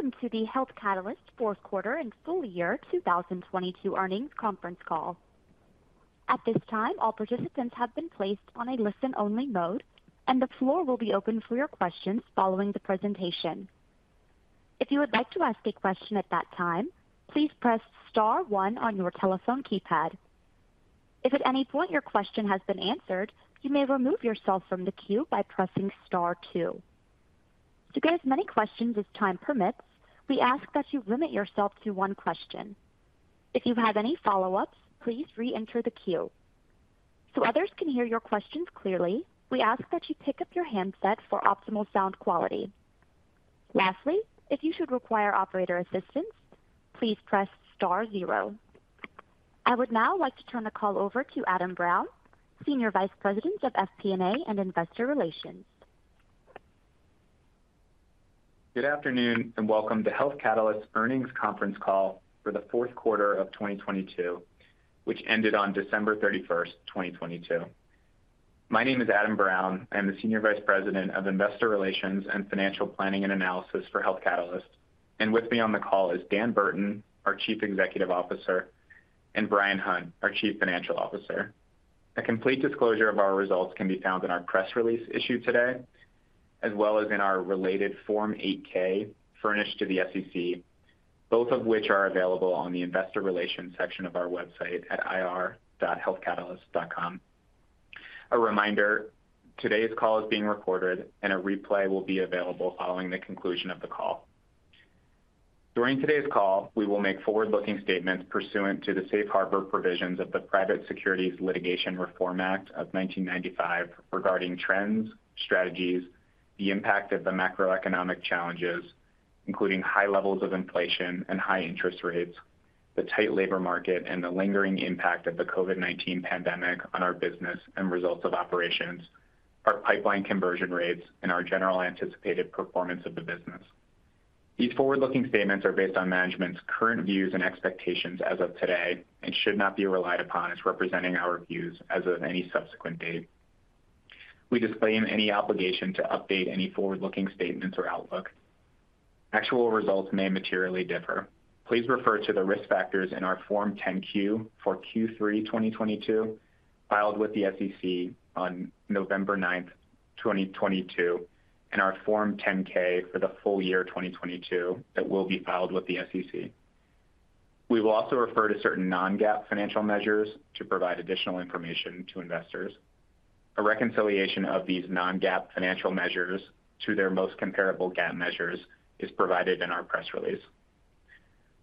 Welcome to the Health Catalyst Q4 and full year 2022 earnings conference call. At this time, all participants have been placed on a listen-only mode, and the floor will be open for your questions following the presentation. If you would like to ask a question at that time, please press star one on your telephone keypad. If at any point your question has been answered, you may remove yourself from the queue by pressing star two. To get as many questions as time permits, we ask that you limit yourself to one question. If you have any follow-ups, please re-enter the queue. Others can hear your questions clearly, we ask that you pick up your handset for optimal sound quality. Lastly, if you should require operator assistance, please press star zero. I would now like to turn the call over to Adam Brown, Senior Vice President of FP&A and Investor Relations. Good afternoon, and welcome to Health Catalyst's earnings conference call for the Q4 of 2022, which ended on 31 December 2022. My name is Adam Brown. I am the Senior Vice President of Investor Relations and Financial Planning and Analysis for Health Catalyst. With me on the call is Dan Burton, our Chief Executive Officer, and Bryan Hunt, our Chief Financial Officer. A complete disclosure of our results can be found in our press release issued today, as well as in our related Form 8-K furnished to the SEC, both of which are available on the investor relations section of our website at ir.healthcatalyst.com. A reminder, today's call is being recorded, and a replay will be available following the conclusion of the call. During today's call, we will make forward-looking statements pursuant to the Safe Harbor Provisions of the Private Securities Litigation Reform Act of 1995 regarding trends, strategies, the impact of the macroeconomic challenges, including high levels of inflation and high interest rates, the tight labor market, and the lingering impact of the COVID-19 pandemic on our business and results of operations, our pipeline conversion rates, and our general anticipated performance of the business. These forward-looking statements are based on management's current views and expectations as of today and should not be relied upon as representing our views as of any subsequent date. We disclaim any obligation to update any forward-looking statements or outlook. Actual results may materially differ. Please refer to the risk factors in our Form 10-Q for Q3 2022, filed with the SEC on 9 November 2022, and our Form 10-K for the full year 2022 that will be filed with the SEC. We will also refer to certain non-GAAP financial measures to provide additional information to investors. A reconciliation of these non-GAAP financial measures to their most comparable GAAP measures is provided in our press release.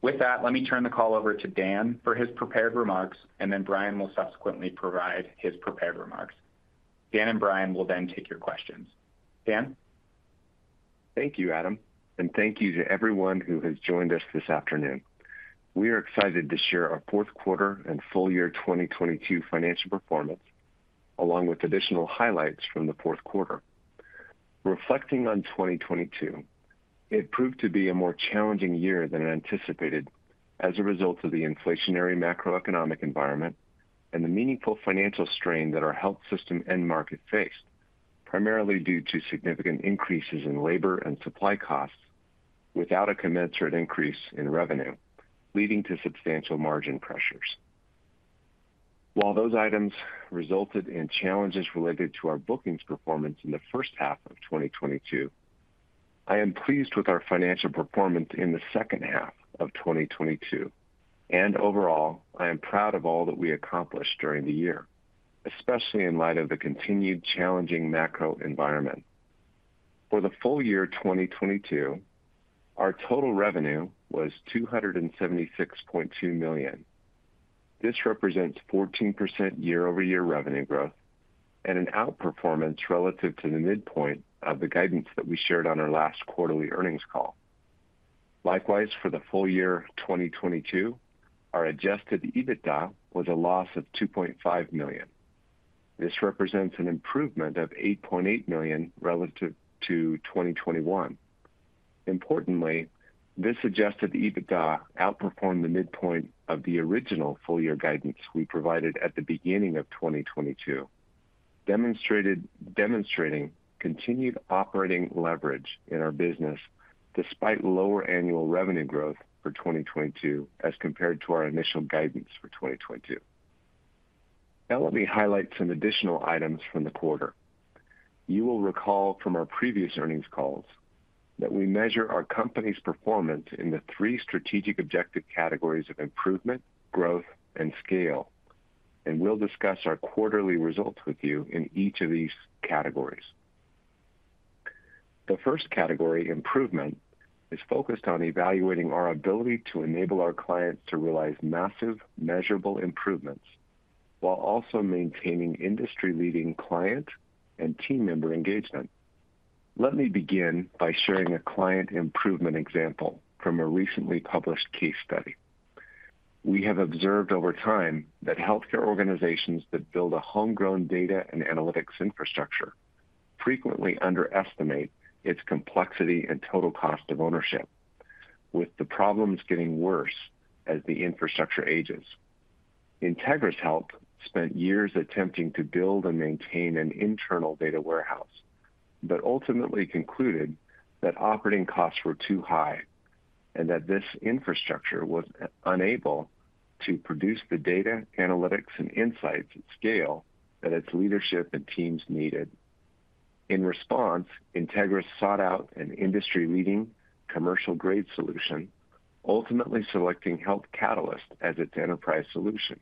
With that, let me turn the call over to Dan for his prepared remarks, and then Bryan will subsequently provide his prepared remarks. Dan and Bryan will then take your questions. Dan? Thank you, Adam. Thank you to everyone who has joined us this afternoon. We are excited to share our Q4 and full year 2022 financial performance, along with additional highlights from the Q4. Reflecting on 2022, it proved to be a more challenging year than anticipated as a result of the inflationary macroeconomic environment and the meaningful financial strain that our health system end market faced, primarily due to significant increases in labor and supply costs without a commensurate increase in revenue, leading to substantial margin pressures. While those items resulted in challenges related to our bookings performance in the H1 of 2022, I am pleased with our financial performance in the H2 of 2022. Overall, I am proud of all that we accomplished during the year, especially in light of the continued challenging macro environment. For the full year 2022, our total revenue was $276.2 million. This represents 14% year-over-year revenue growth and an outperformance relative to the midpoint of the guidance that we shared on our last quarterly earnings call. For the full year 2022, our Adjusted EBITDA was a loss of $2.5 million. This represents an improvement of $8.8 million relative to 2021. Importantly, this Adjusted EBITDA outperformed the midpoint of the original full year guidance we provided at the beginning of 2022 demonstrating continued operating leverage in our business despite lower annual revenue growth for 2022 as compared to our initial guidance for 2022. Let me highlight some additional items from the quarter. You will recall from our previous earnings calls that we measure our company's performance in the three strategic objective categories of improvement, growth, and scale, and we'll discuss our quarterly results with you in each of these categories. The first category, improvement, is focused on evaluating our ability to enable our clients to realize massive measurable improvements while also maintaining industry-leading client and team member engagement. Let me begin by sharing a client improvement example from a recently published case study. We have observed over time that healthcare organizations that build a homegrown data and analytics infrastructure frequently underestimate its complexity and total cost of ownership, with the problems getting worse as the infrastructure ages. INTEGRIS Health spent years attempting to build and maintain an internal data warehouse, but ultimately concluded that operating costs were too high and that this infrastructure was unable to produce the data analytics and insights at scale that its leadership and teams needed. In response, INTEGRIS sought out an industry-leading commercial-grade solution, ultimately selecting Health Catalyst as its enterprise solution.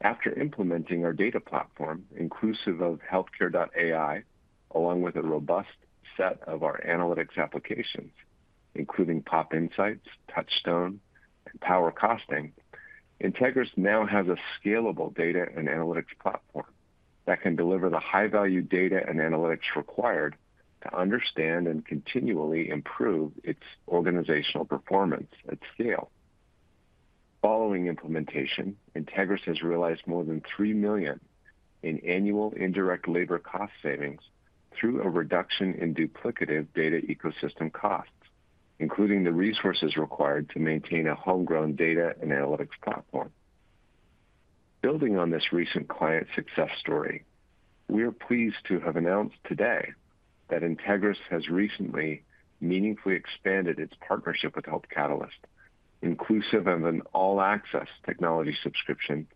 After implementing our data platform, inclusive of Healthcare.AI, along with a robust set of our analytics applications, including Pop Insights, Touchstone, and PowerCosting, INTEGRIS now has a scalable data and analytics platform that can deliver the high-value data and analytics required to understand and continually improve its organizational performance at scale. Following implementation, INTEGRIS has realized more than $3 million in annual indirect labor cost savings through a reduction in duplicative data ecosystem costs, including the resources required to maintain a homegrown data and analytics platform. Building on this recent client success story, we are pleased to have announced today that INTEGRIS has recently meaningfully expanded its partnership with Health Catalyst, inclusive of an all-access technology subscription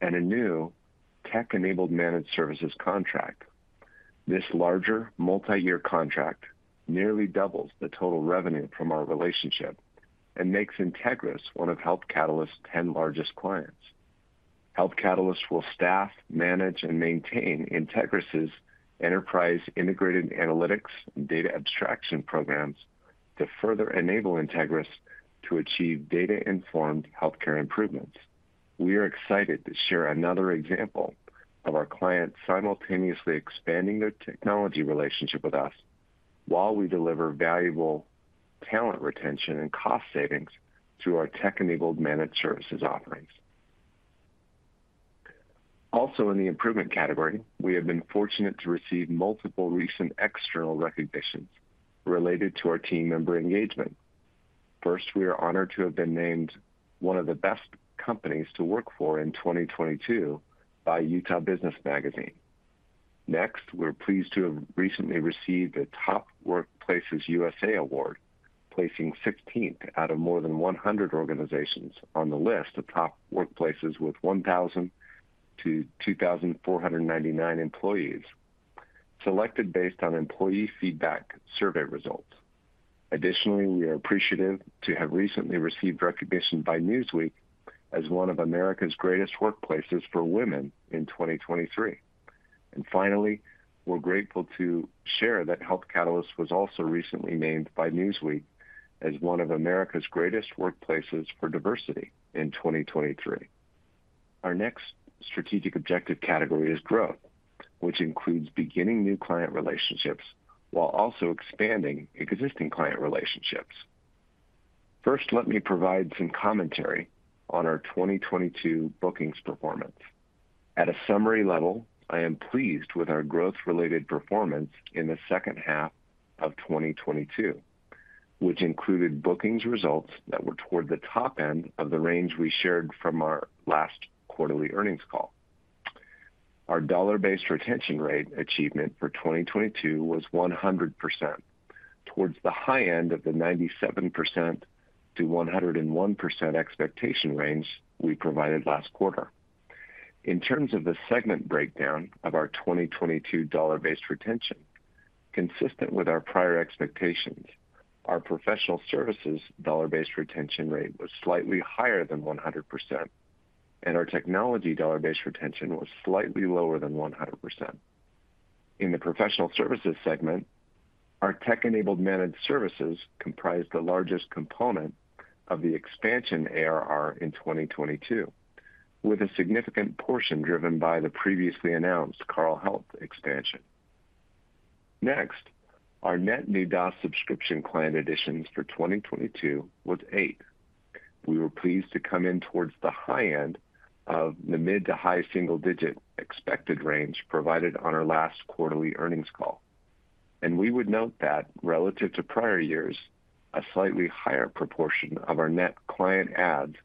and a new tech-enabled managed services contract. This larger multiyear contract nearly doubles the total revenue from our relationship and makes INTEGRIS one of Health Catalyst's 10 largest clients. Health Catalyst will staff, manage, and maintain INTEGRIS' enterprise integrated analytics and data abstraction programs to further enable INTEGRIS to achieve data-informed healthcare improvements. We are excited to share another example of our clients simultaneously expanding their technology relationship with us while we deliver valuable talent retention and cost savings through our tech-enabled managed services offerings. Also in the improvement category, we have been fortunate to receive multiple recent external recognitions related to our team member engagement. First, we are honored to have been named one of the best companies to work for in 2022 by Utah Business Magazine. Next, we're pleased to have recently received a Top Workplaces USA award, placing 16th out of more than 100 organizations on the list of top workplaces with 1,000-2,499 employees selected based on employee feedback survey results. Additionally, we are appreciative to have recently received recognition by Newsweek as one of America's greatest workplaces for women in 2023. Finally, we're grateful to share that Health Catalyst was also recently named by Newsweek as one of America's greatest workplaces for diversity in 2023. Our next strategic objective category is growth, which includes beginning new client relationships while also expanding existing client relationships. Let me provide some commentary on our 2022 bookings performance. At a summary level, I am pleased with our growth-related performance in the H2 of 2022, which included bookings results that were toward the top end of the range we shared from our last quarterly earnings call. Our dollar-based retention rate achievement for 2022 was 100% towards the high end of the 97-101% expectation range we provided last quarter. In terms of the segment breakdown of our 2022 dollar-based retention, consistent with our prior expectations, our professional services dollar-based retention rate was slightly higher than 100%, and our technology dollar-based retention was slightly lower than 100%. In the professional services segment, our tech-enabled managed services comprised the largest component of the expansion ARR in 2022, with a significant portion driven by the previously announced Carle Health expansion. Next, our net new DaaS subscription client additions for 2022 was eight. We were pleased to come in towards the high end of the mid-to-high single-digit expected range provided on our last quarterly earnings call. We would note that relative to prior years, a slightly higher proportion of our net client adds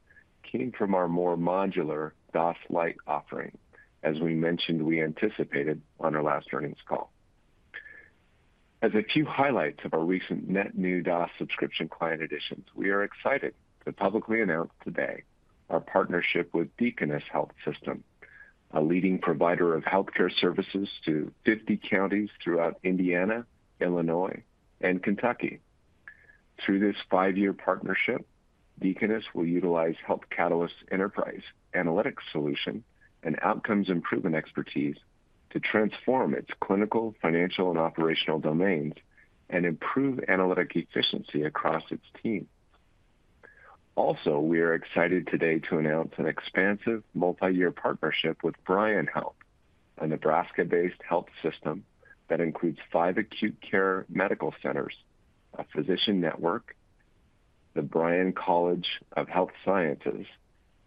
came from our more modular DaaS Lite offering. As we mentioned we anticipated on our last earnings call. As a few highlights of our recent net new DaaS subscription client additions, we are excited to publicly announce today our partnership with Deaconess Health System, a leading provider of healthcare services to 50 counties throughout Indiana, Illinois, and Kentucky. Through this 5-year partnership, Deaconess will utilize Health Catalyst's enterprise analytics solution and outcomes improvement expertise to transform its clinical, financial, and operational domains and improve analytic efficiency across its team. Also, we are excited today to announce an expansive multiyear partnership with Bryan Health, a Nebraska-based health system that includes five acute care medical centers, a physician network, the Bryan College of Health Sciences,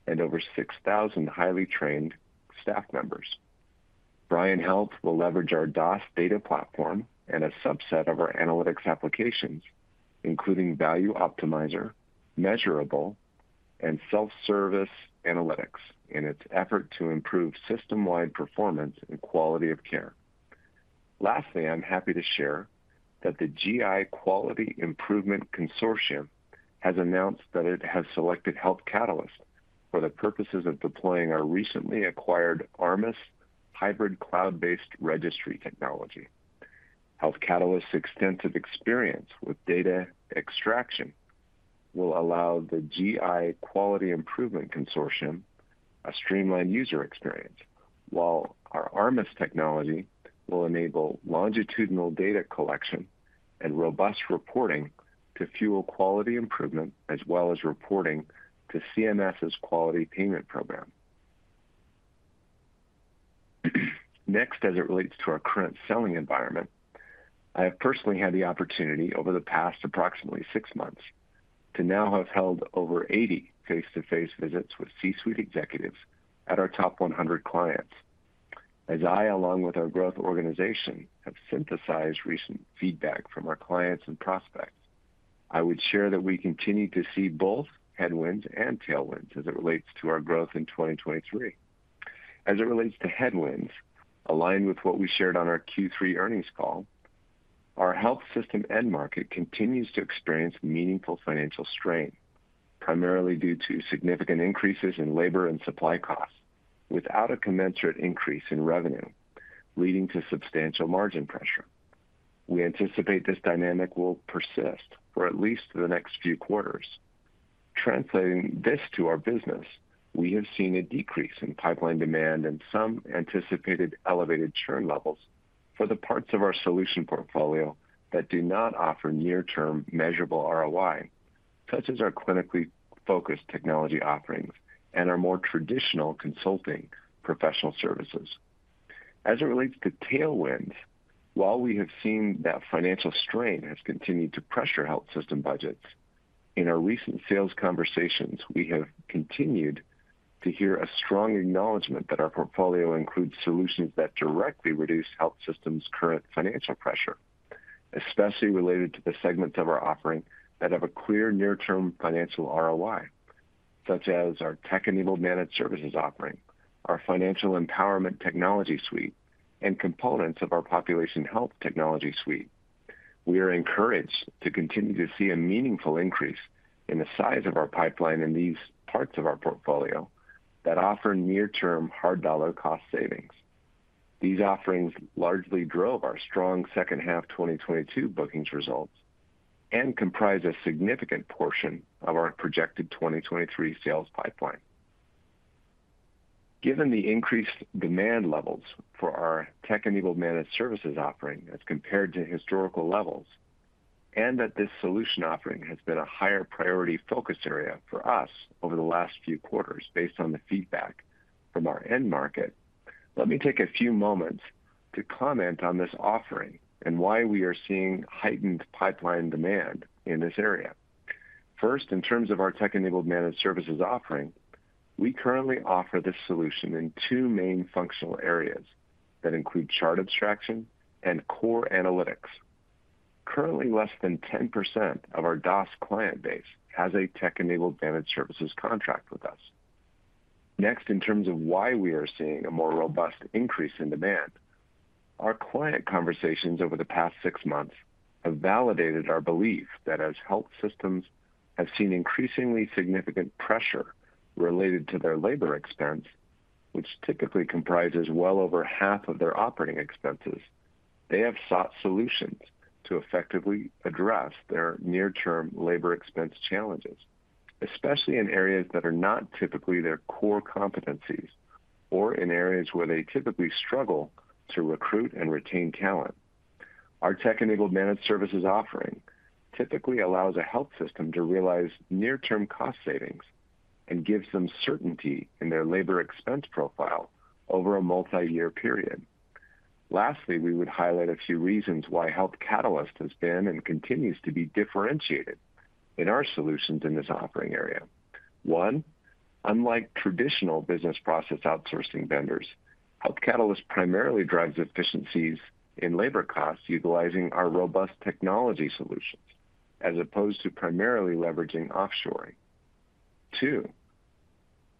and over 6,000 highly trained staff members. Bryan Health will leverage our DaaS data platform and a subset of our analytics applications, including Value Optimizer, MeasureAble and Self-Service Analytics in its effort to improve system-wide performance and quality of care. Lastly, I'm happy to share that the GI Quality Improvement Consortium has announced that it has selected Health Catalyst for the purposes of deploying our recently acquired ARMUS hybrid cloud-based registry technology. Health Catalyst's extensive experience with data extraction will allow the GI Quality Improvement Consortium a streamlined user experience, while our ARMUS technology will enable longitudinal data collection and robust reporting to fuel quality improvement, as well as reporting to CMS's Quality Payment Program. Next, as it relates to our current selling environment, I have personally had the opportunity over the past approximately six months to now have held over 80 face-to-face visits with C-suite executives at our top 100 clients. As I, along with our growth organization, have synthesized recent feedback from our clients and prospects, I would share that we continue to see both headwinds and tailwinds as it relates to our growth in 2023. As it relates to headwinds, aligned with what we shared on our Q3 earnings call, our health system end market continues to experience meaningful financial strain, primarily due to significant increases in labor and supply costs without a commensurate increase in revenue, leading to substantial margin pressure. We anticipate this dynamic will persist for at least the next few quarters. Translating this to our business, we have seen a decrease in pipeline demand and some anticipated elevated churn levels for the parts of our solution portfolio that do not offer near-term measurable ROI, such as our clinically focused technology offerings and our more traditional consulting professional services. As it relates to tailwinds, while we have seen that financial strain has continued to pressure health system budgets, in our recent sales conversations we have continued to hear a strong acknowledgment that our portfolio includes solutions that directly reduce health systems' current financial pressure, especially related to the segments of our offering that have a clear near-term financial ROI, such as our tech-enabled managed services offering, our Financial Empowerment technology suite, and components of our Population Health technology suite. We are encouraged to continue to see a meaningful increase in the size of our pipeline in these parts of our portfolio that offer near-term hard dollar cost savings. These offerings largely drove our strong H2 2022 bookings results and comprise a significant portion of our projected 2023 sales pipeline. Given the increased demand levels for our tech-enabled managed services offering as compared to historical levels, and that this solution offering has been a higher priority focus area for us over the last few quarters based on the feedback from our end market, let me take a few moments to comment on this offering and why we are seeing heightened pipeline demand in this area. First, in terms of our tech-enabled managed services offering, we currently offer this solution in two main functional areas that include chart abstraction and core analytics. Currently, less than 10% of our DaaS client base has a tech-enabled managed services contract with us. In terms of why we are seeing a more robust increase in demand, our client conversations over the past six months have validated our belief that as health systems have seen increasingly significant pressure related to their labor expense, which typically comprises well over half of their operating expenses, they have sought solutions to effectively address their near-term labor expense challenges, especially in areas that are not typically their core competencies or in areas where they typically struggle to recruit and retain talent. Our tech-enabled managed services offering typically allows a health system to realize near-term cost savings and gives them certainty in their labor expense profile over a multi-year period. We would highlight a few reasons why Health Catalyst has been and continues to be differentiated in our solutions in this offering area. One, unlike traditional business process outsourcing vendors, Health Catalyst primarily drives efficiencies in labor costs utilizing our robust technology solutions as opposed to primarily leveraging offshoring. Two,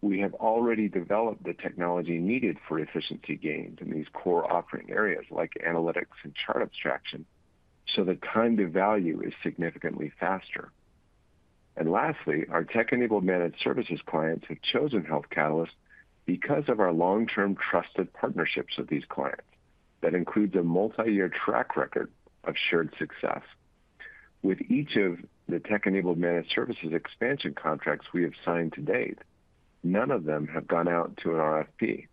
we have already developed the technology needed for efficiency gains in these core offering areas like analytics and chart abstraction, so the time to value is significantly faster. Lastly, our tech-enabled managed services clients have chosen Health Catalyst because of our long-term trusted partnerships with these clients that includes a multi-year track record of shared success. With each of the tech-enabled managed services expansion contracts we have signed to date, none of them have gone out to an RFP.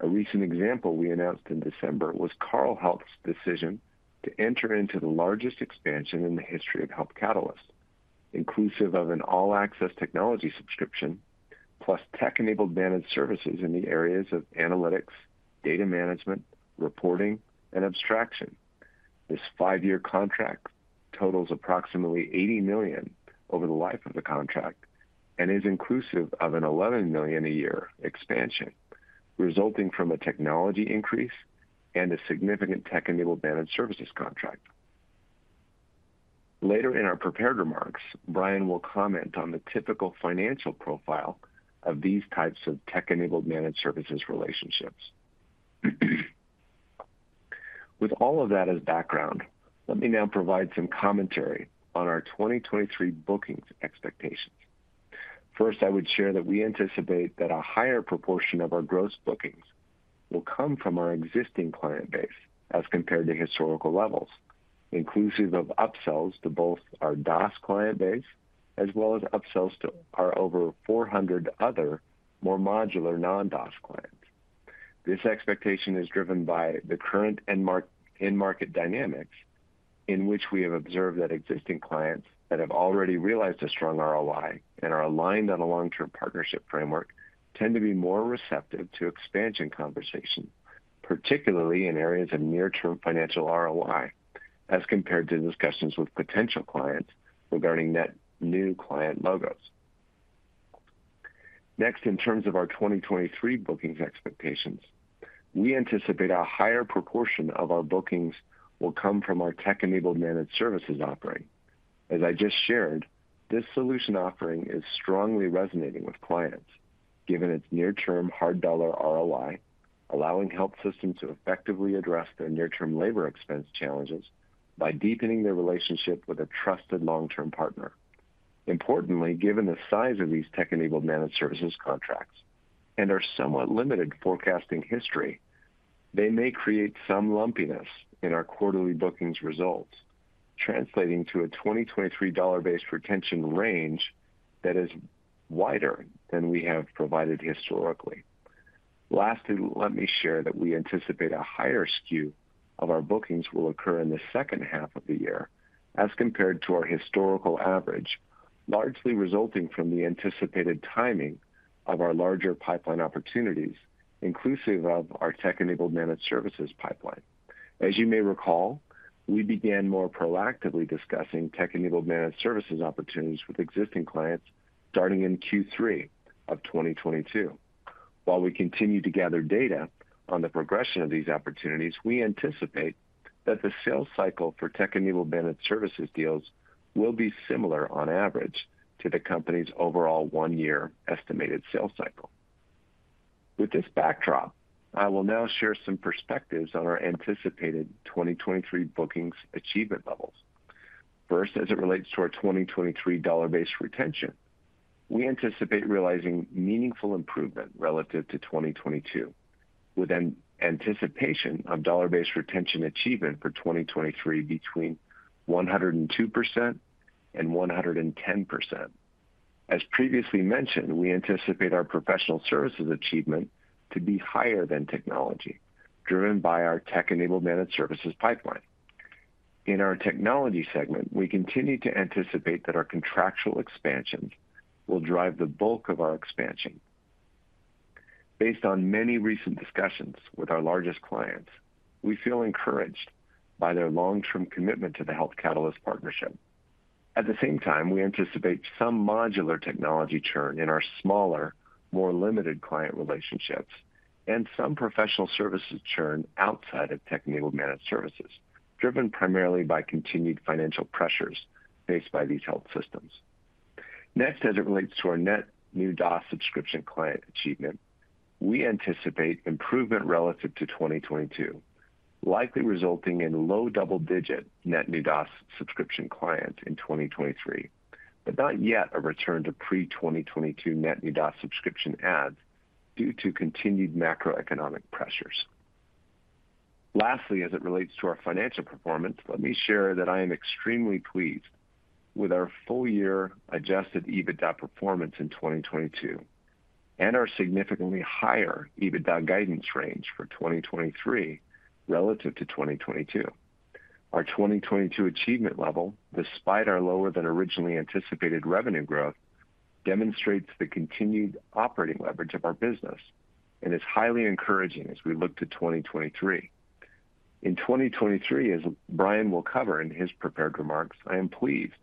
A recent example we announced in December was Carle Health's decision to enter into the largest expansion in the history of Health Catalyst, inclusive of an all-access technology subscription plus tech-enabled managed services in the areas of analytics, data management, reporting, and abstraction. This five-year contract totals approximately $80 million over the life of the contract and is inclusive of an $11 million a year expansion, resulting from a technology increase and a significant tech-enabled managed services contract. Later in our prepared remarks, Bryan will comment on the typical financial profile of these types of tech-enabled managed services relationships. With all of that as background, let me now provide some commentary on our 2023 bookings expectations. First, I would share that we anticipate that a higher proportion of our gross bookings will come from our existing client base as compared to historical levels, inclusive of upsells to both our DaaS client base as well as upsells to our over 400 other more modular non-DaaS clients. This expectation is driven by the current end market dynamics in which we have observed that existing clients that have already realized a strong ROI and are aligned on a long-term partnership framework tend to be more receptive to expansion conversation, particularly in areas of near-term financial ROI as compared to discussions with potential clients regarding net new client logos. Next, in terms of our 2023 bookings expectations, we anticipate a higher proportion of our bookings will come from our tech-enabled managed services offering. As I just shared, this solution offering is strongly resonating with clients given its near-term hard dollar ROI, allowing health systems to effectively address their near-term labor expense challenges by deepening their relationship with a trusted long-term partner. Importantly, given the size of these tech-enabled managed services contracts and their somewhat limited forecasting history, they may create some lumpiness in our quarterly bookings results, translating to a 2023 dollar-based retention range that is wider than we have provided historically. Lastly, let me share that we anticipate a higher skew of our bookings will occur in the H2 of the year as compared to our historical average, largely resulting from the anticipated timing of our larger pipeline opportunities, inclusive of our tech-enabled managed services pipeline. As you may recall, we began more proactively discussing tech-enabled managed services opportunities with existing clients starting in Q3 of 2022. While we continue to gather data on the progression of these opportunities, we anticipate that the sales cycle for tech-enabled managed services deals will be similar on average to the company's overall one-year estimated sales cycle. With this backdrop, I will now share some perspectives on our anticipated 2023 bookings achievement levels. First, as it relates to our 2023 dollar-based retention, we anticipate realizing meaningful improvement relative to 2022, with an anticipation of dollar-based retention achievement for 2023 between 102% and 110%. As previously mentioned, we anticipate our professional services achievement to be higher than technology, driven by our tech-enabled managed services pipeline. In our technology segment, we continue to anticipate that our contractual expansion will drive the bulk of our expansion. Based on many recent discussions with our largest clients, we feel encouraged by their long-term commitment to the Health Catalyst partnership. At the same time, we anticipate some modular technology churn in our smaller, more limited client relationships and some professional services churn outside of tech-enabled managed services, driven primarily by continued financial pressures faced by these health systems. As it relates to our net new DaaS subscription client achievement, we anticipate improvement relative to 2022, likely resulting in low double-digit net new DaaS subscription clients in 2023, but not yet a return to pre-2022 net new DaaS subscription adds due to continued macroeconomic pressures. As it relates to our financial performance, let me share that I am extremely pleased with our full year Adjusted EBITDA performance in 2022 and our significantly higher EBITDA guidance range for 2023 relative to 2022. Our 2022 achievement level, despite our lower than originally anticipated revenue growth, demonstrates the continued operating leverage of our business and is highly encouraging as we look to 2023. In 2023, as Bryan will cover in his prepared remarks, I am pleased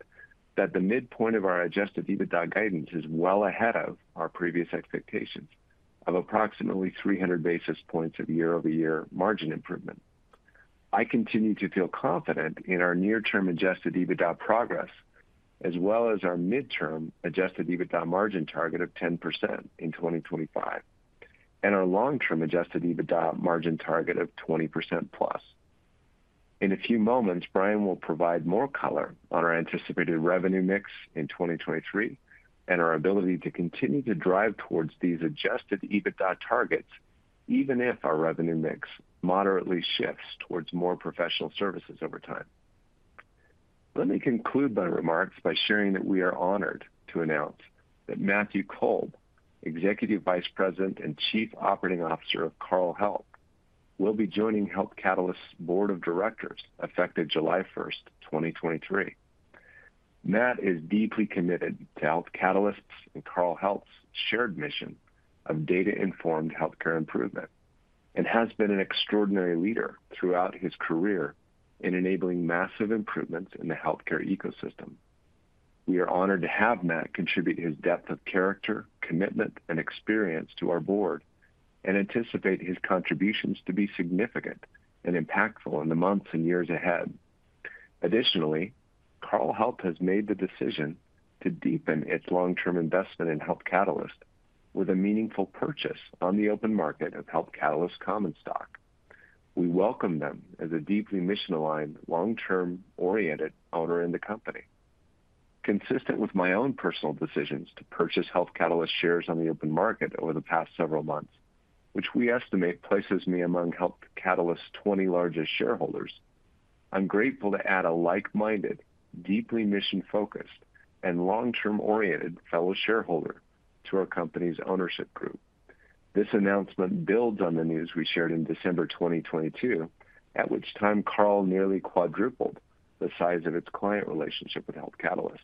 that the midpoint of our Adjusted EBITDA guidance is well ahead of our previous expectations of approximately 300 basis points of year-over-year margin improvement. I continue to feel confident in our near-term Adjusted EBITDA progress, as well as our midterm Adjusted EBITDA margin target of 10% in 2025, and our long-term Adjusted EBITDA margin target of 20%+. In a few moments, Bryan will provide more color on our anticipated revenue mix in 2023 and our ability to continue to drive towards these Adjusted EBITDA targets, even if our revenue mix moderately shifts towards more professional services over time. Let me conclude my remarks by sharing that we are honored to announce that Matthew Kolb, Executive Vice President and Chief Operating Officer of Carle Health, will be joining Health Catalyst's Board of Directors effective July 1, 2023. Matt is deeply committed to Health Catalyst's and Carle Health's shared mission of data-informed healthcare improvement and has been an extraordinary leader throughout his career in enabling massive improvements in the healthcare ecosystem. We are honored to have Matt contribute his depth of character, commitment, and experience to our board, and anticipate his contributions to be significant and impactful in the months and years ahead. Additionally, Carle Health has made the decision to deepen its long-term investment in Health Catalyst with a meaningful purchase on the open market of Health Catalyst common stock. We welcome them as a deeply mission-aligned, long-term oriented owner in the company. Consistent with my own personal decisions to purchase Health Catalyst shares on the open market over the past several months, which we estimate places me among Health Catalyst's 20 largest shareholders, I'm grateful to add a like-minded, deeply mission-focused, and long-term oriented fellow shareholder to our company's ownership group. This announcement builds on the news we shared in December 2022, at which time Carle nearly quadrupled the size of its client relationship with Health Catalyst.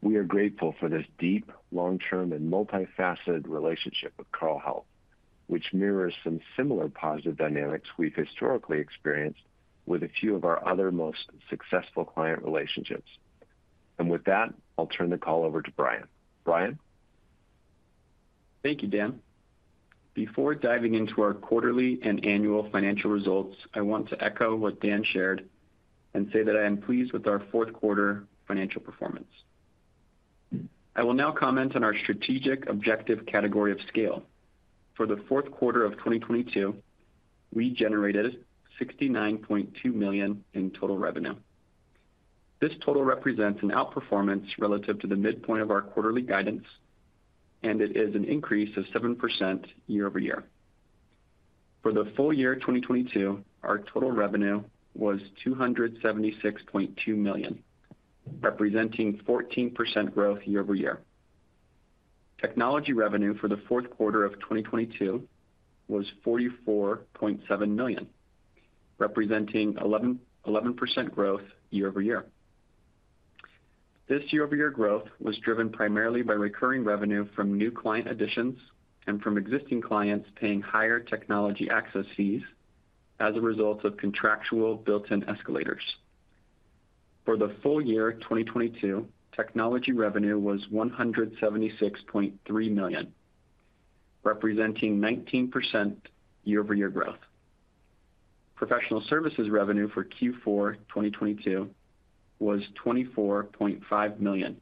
We are grateful for this deep, long-term, and multifaceted relationship with Carle Health, which mirrors some similar positive dynamics we've historically experienced with a few of our other most successful client relationships. With that, I'll turn the call over to Bryan. Bryan? Thank you, Dan. Before diving into our quarterly and annual financial results, I want to echo what Dan shared and say that I am pleased with our Q4 financial performance. I will now comment on our strategic objective category of scale. For the Q4 of 2022, we generated $69.2 million in total revenue. This total represents an outperformance relative to the midpoint of our quarterly guidance, and it is an increase of 7% year-over-year. For the full year 2022, our total revenue was $276.2 million, representing 14% growth year-over-year. Technology revenue for the Q4 of 2022 was $44.7 million, representing 11% growth year-over-year. This year-over-year growth was driven primarily by recurring revenue from new client additions and from existing clients paying higher technology access fees as a result of contractual built-in escalators. For the full year 2022, technology revenue was $176.3 million, representing 19% year-over-year growth. Professional services revenue for Q4 2022 was $24.5 million,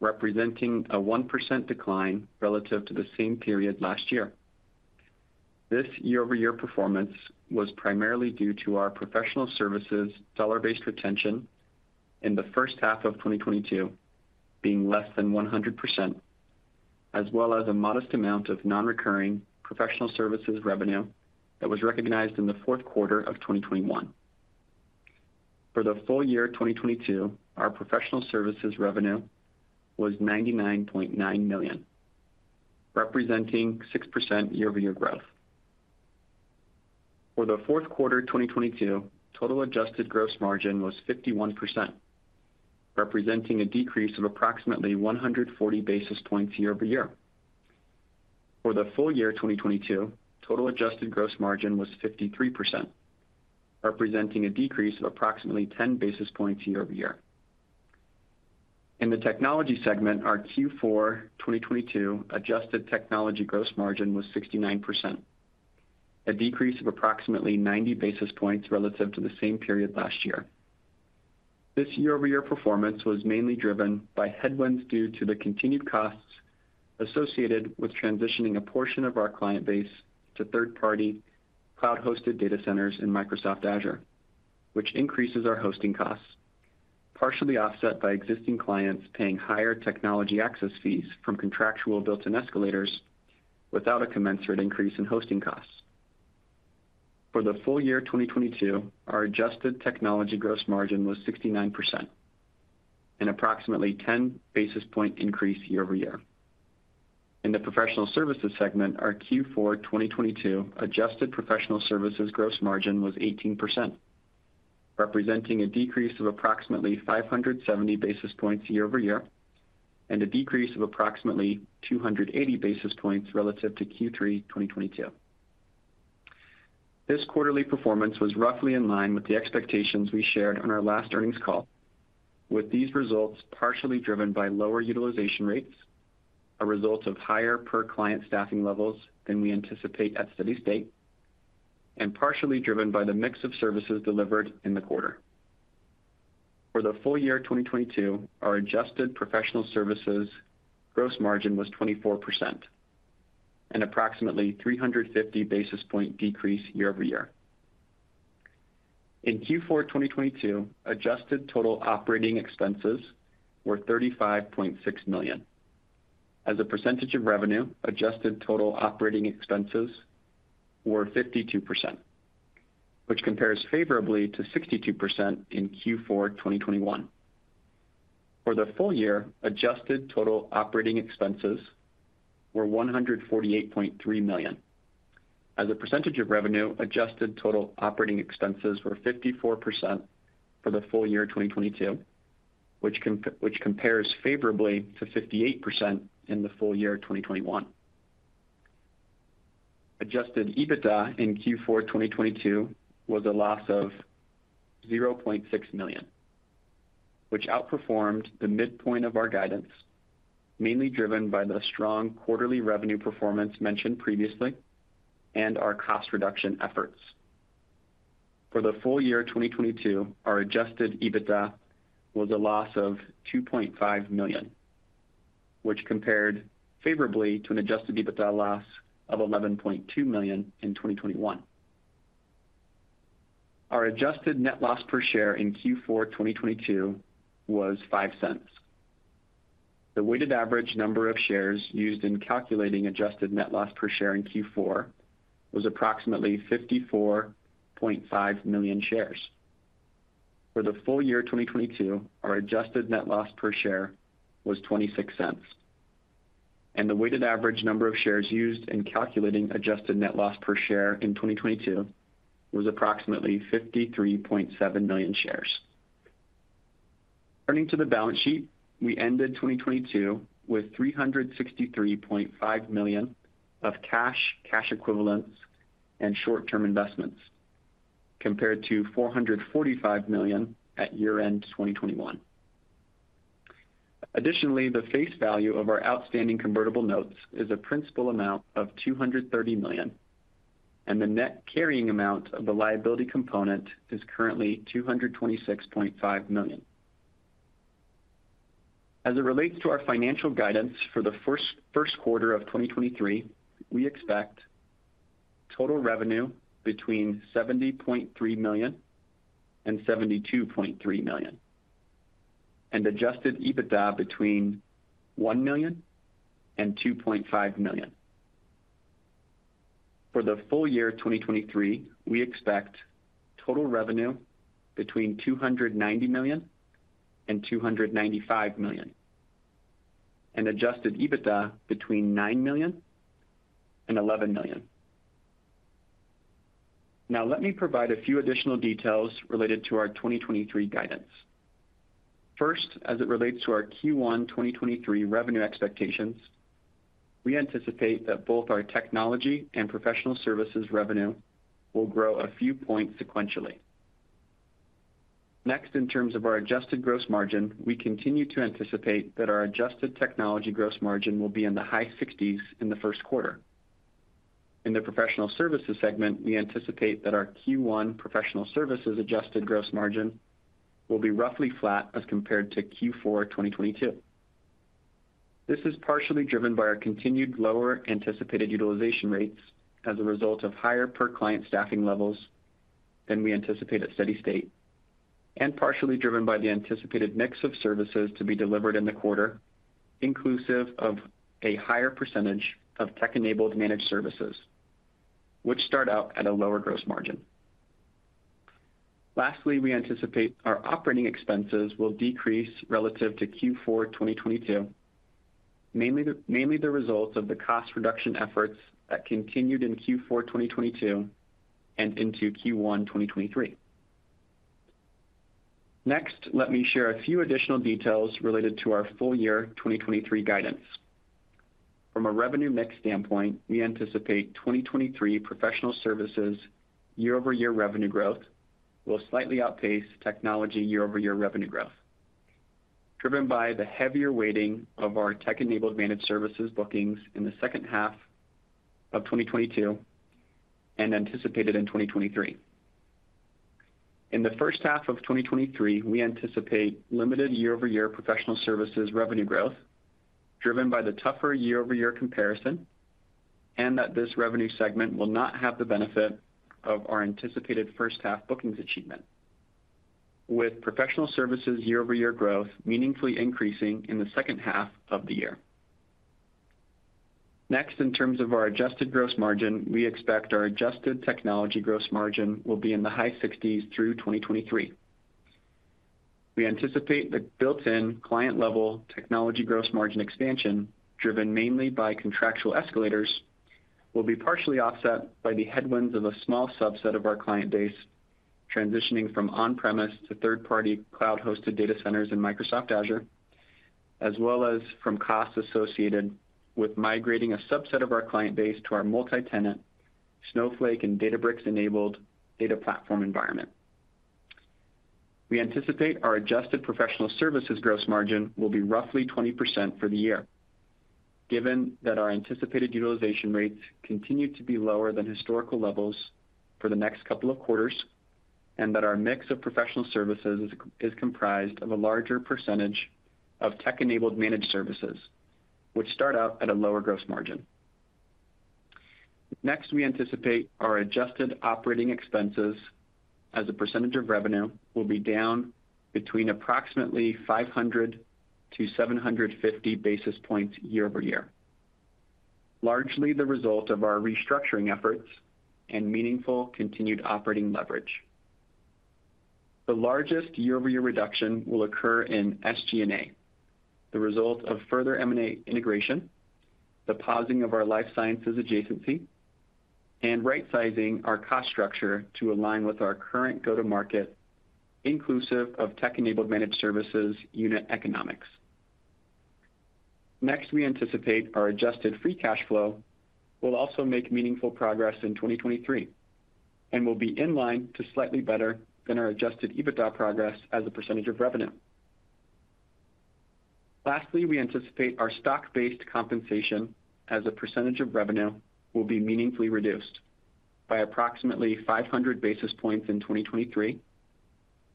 representing a 1% decline relative to the same period last year. This year-over-year performance was primarily due to our professional services dollar-based retention in the H1 of 2022 being less than 100%, as well as a modest amount of non-recurring professional services revenue that was recognized in the Q4 of 2021. For the full year 2022, our professional services revenue was $99.9 million, representing 6% year-over-year growth. For the Q4 2022, total adjusted gross margin was 51%, representing a decrease of approximately 140 basis points year-over-year. For the full year 2022, total adjusted gross margin was 53%, representing a decrease of approximately 10 basis points year-over-year. In the technology segment, our Q4 2022 adjusted technology gross margin was 69%, a decrease of approximately 90 basis points relative to the same period last year. This year-over-year performance was mainly driven by headwinds due to the continued costs associated with transitioning a portion of our client base to third-party cloud-hosted data centers in Microsoft Azure, which increases our hosting costs, partially offset by existing clients paying higher technology access fees from contractual built-in escalators without a commensurate increase in hosting costs. For the full year 2022, our adjusted technology gross margin was 69%, an approximately 10 basis point increase year-over-year. In the professional services segment, our Q4 2022 adjusted professional services gross margin was 18%, representing a decrease of approximately 570 basis points year-over-year, and a decrease of approximately 280 basis points relative to Q3 2022. This quarterly performance was roughly in line with the expectations we shared on our last earnings call. With these results partially driven by lower utilization rates, a result of higher per-client staffing levels than we anticipate at steady state, and partially driven by the mix of services delivered in the quarter. For the full year 2022, our adjusted professional services gross margin was 24%, an approximately 350 basis point decrease year-over-year. In Q4 2022, Adjusted total operating expenses were $35.6 million. As a percentage of revenue, Adjusted total operating expenses were 52%, which compares favorably to 62% in Q4 2021. For the full year, Adjusted total operating expenses were $148.3 million. As a percentage of revenue, Adjusted total operating expenses were 54% for the full year 2022, which compares favorably to 58% in the full year 2021. Adjusted EBITDA in Q4 2022 was a loss of $0.6 million, which outperformed the midpoint of our guidance, mainly driven by the strong quarterly revenue performance mentioned previously and our cost reduction efforts. For the full year 2022, our Adjusted EBITDA was a loss of $2.5 million, which compared favorably to an Adjusted EBITDA loss of $11.2 million in 2021. Our Adjusted net loss per share in Q4 2022 was $0.05. The weighted average number of shares used in calculating Adjusted net loss per share in Q4 was approximately 54.5 million shares. For the full year 2022, our Adjusted net loss per share was $0.26. The weighted average number of shares used in calculating Adjusted net loss per share in 2022 was approximately 53.7 million shares. Turning to the balance sheet, we ended 2022 with $363.5 million of cash equivalents, and short-term investments, compared to $445 million at year-end 2021. Additionally, the face value of our outstanding convertible notes is a principal amount of $230 million, and the net carrying amount of the liability component is currently $226.5 million. As it relates to our financial guidance for the Q1 of 2023, we expect total revenue between $70.3 million and $72.3 million, and Adjusted EBITDA between $1 million and $2.5 million. For the full year 2023, we expect total revenue between $290 million and $295 million and Adjusted EBITDA between $9 million and $11 million. Let me provide a few additional details related to our 2023 guidance. As it relates to our Q1 2023 revenue expectations, we anticipate that both our technology and professional services revenue will grow a few points sequentially. In terms of our adjusted gross margin, we continue to anticipate that our adjusted technology gross margin will be in the high sixties in the Q1. In the professional services segment, we anticipate that our Q1 professional services Adjusted gross margin will be roughly flat as compared to Q4 2022. This is partially driven by our continued lower anticipated utilization rates as a result of higher per-client staffing levels than we anticipate at steady state, and partially driven by the anticipated mix of services to be delivered in the quarter, inclusive of a higher percentage of tech-enabled managed services, which start out at a lower gross margin. Lastly, we anticipate our operating expenses will decrease relative to Q4 2022, mainly the result of the cost reduction efforts that continued in Q4 2022 and into Q1 2023. Let me share a few additional details related to our full year 2023 guidance. From a revenue mix standpoint, we anticipate 2023 professional services year-over-year revenue growth will slightly outpace technology year-over-year revenue growth, driven by the heavier weighting of our tech-enabled managed services bookings in the H2 of 2022 and anticipated in 2023. In the H1 of 2023, we anticipate limited year-over-year professional services revenue growth driven by the tougher year-over-year comparison, this revenue segment will not have the benefit of our anticipated H1 bookings achievement, with professional services year-over-year growth meaningfully increasing in the H2 of the year. In terms of our adjusted gross margin, we expect our adjusted technology gross margin will be in the high sixties through 2023. We anticipate the built-in client level technology gross margin expansion, driven mainly by contractual escalators, will be partially offset by the headwinds of a small subset of our client base transitioning from on-premise to third-party cloud-hosted data centers in Microsoft Azure, as well as from costs associated with migrating a subset of our client base to our multi-tenant Snowflake and Databricks-enabled data platform environment. We anticipate our adjusted professional services gross margin will be roughly 20% for the year, given that our anticipated utilization rates continue to be lower than historical levels for the next couple of quarters, and that our mix of professional services is comprised of a larger percentage of tech-enabled managed services, which start out at a lower gross margin. We anticipate our Adjusted operating expenses as a percentage of revenue will be down between approximately 500-750 basis points year-over-year. Largely the result of our restructuring efforts and meaningful continued operating leverage. The largest year-over-year reduction will occur in SG&A, the result of further M&A integration, the pausing of our life sciences adjacency, and right-sizing our cost structure to align with our current go-to-market inclusive of tech-enabled managed services unit economics. We anticipate our Adjusted free cash flow will also make meaningful progress in 2023 and will be in line to slightly better than our Adjusted EBITDA progress as a percentage of revenue. We anticipate our stock-based compensation as a percentage of revenue will be meaningfully reduced by approximately 500 basis points in 2023,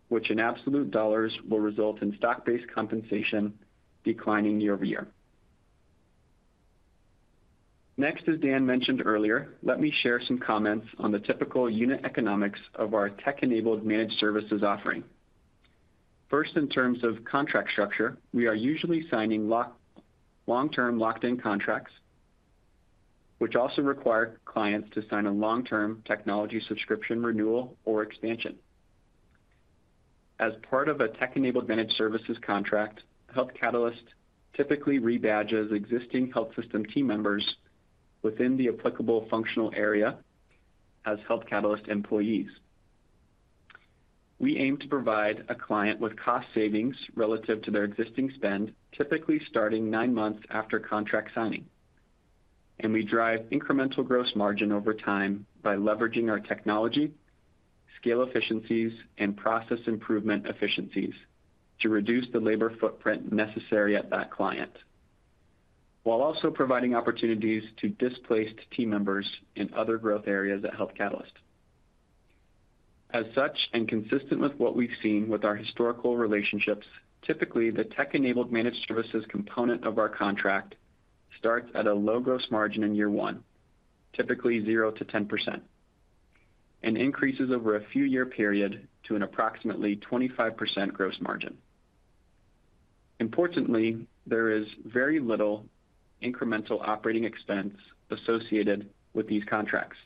which in absolute dollars will result in stock-based compensation declining year-over-year. Next, as Dan mentioned earlier, let me share some comments on the typical unit economics of our tech-enabled managed services offering. First, in terms of contract structure, we are usually signing long-term locked-in contracts, which also require clients to sign a long-term technology subscription renewal or expansion. As part of a tech-enabled managed services contract, Health Catalyst typically re-badges existing health system team members within the applicable functional area as Health Catalyst employees. We aim to provide a client with cost savings relative to their existing spend, typically starting nine months after contract signing. We drive incremental gross margin over time by leveraging our technology, scale efficiencies, and process improvement efficiencies to reduce the labor footprint necessary at that client, while also providing opportunities to displaced team members in other growth areas at Health Catalyst. As such, and consistent with what we've seen with our historical relationships, typically the tech-enabled managed services component of our contract starts at a low gross margin in year one, typically 0-10%, and increases over a few year period to an approximately 25% gross margin. Importantly, there is very little incremental operating expense associated with these contracts,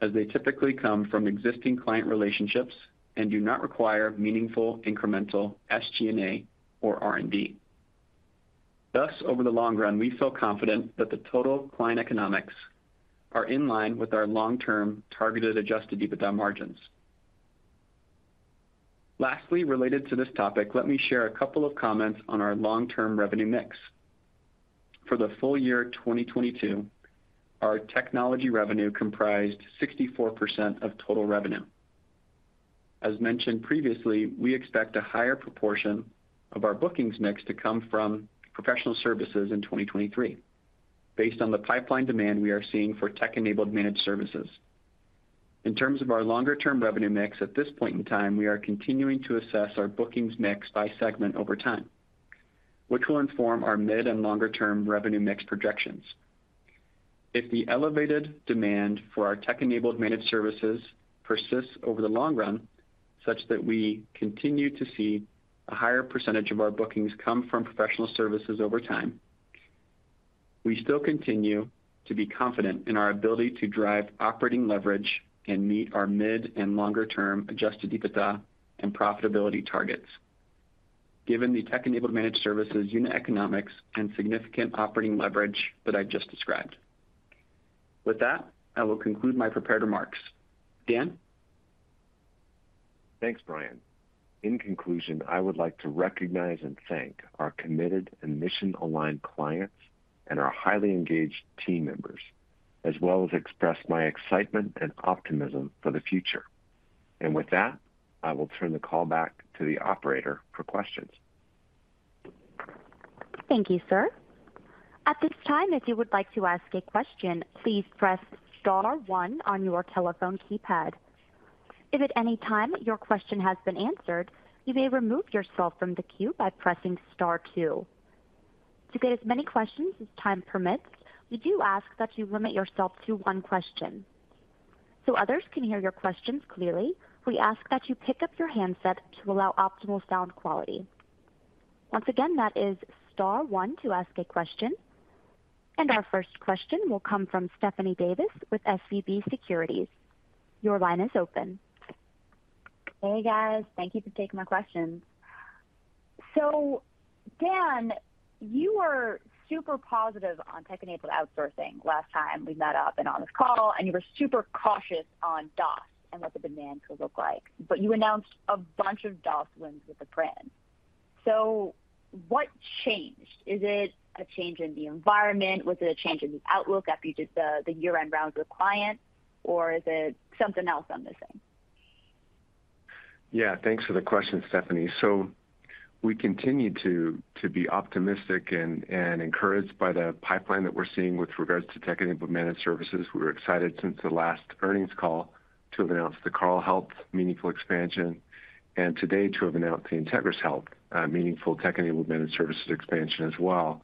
as they typically come from existing client relationships and do not require meaningful incremental SG&A or R&D. Thus, over the long run, we feel confident that the total client economics are in line with our long-term targeted Adjusted EBITDA margins. Lastly, related to this topic, let me share a couple of comments on our long-term revenue mix. For the full year 2022, our technology revenue comprised 64% of total revenue. As mentioned previously, we expect a higher proportion of our bookings mix to come from professional services in 2023 based on the pipeline demand we are seeing for tech-enabled managed services. In terms of our longer-term revenue mix, at this point in time, we are continuing to assess our bookings mix by segment over time, which will inform our mid and longer term revenue mix projections. If the elevated demand for our tech-enabled managed services persists over the long run, such that we continue to see a higher percentage of our bookings come from professional services over time, we still continue to be confident in our ability to drive operating leverage and meet our mid and longer term Adjusted EBITDA and profitability targets, given the tech-enabled managed services unit economics and significant operating leverage that I just described. With that, I will conclude my prepared remarks. Dan? Thanks, Bryan. In conclusion, I would like to recognize and thank our committed and mission-aligned clients and our highly engaged team members, as well as express my excitement and optimism for the future. With that, I will turn the call back to the operator for questions. Thank you, sir. At this time, if you would like to ask a question, please press star one on your telephone keypad. If at any time your question has been answered, you may remove yourself from the queue by pressing star two. To get as many questions as time permits, we do ask that you limit yourself to one question. So others can hear your questions clearly, we ask that you pick up your handset to allow optimal sound quality. Once again, that is star one to ask a question. Our first question will come from Stephanie Davis with SVB Securities. Your line is open. Hey, guys. Thank you for taking my questions. Dan, you were super positive on tech-enabled outsourcing last time we met up and on this call, and you were super cautious on DOS and what the demand could look like. You announced a bunch of DOS wins with the brand. What changed? Is it a change in the environment? Was it a change in the outlook after you did the year-end rounds with clients? Is it something else I'm missing? Yeah, thanks for the question, Stephanie. We continue to be optimistic and encouraged by the pipeline that we're seeing with regards to tech-enabled managed services. We were excited since the last earnings call to have announced the Carle Health meaningful expansion and today to have announced the INTEGRIS Health meaningful tech-enabled managed services expansion as well.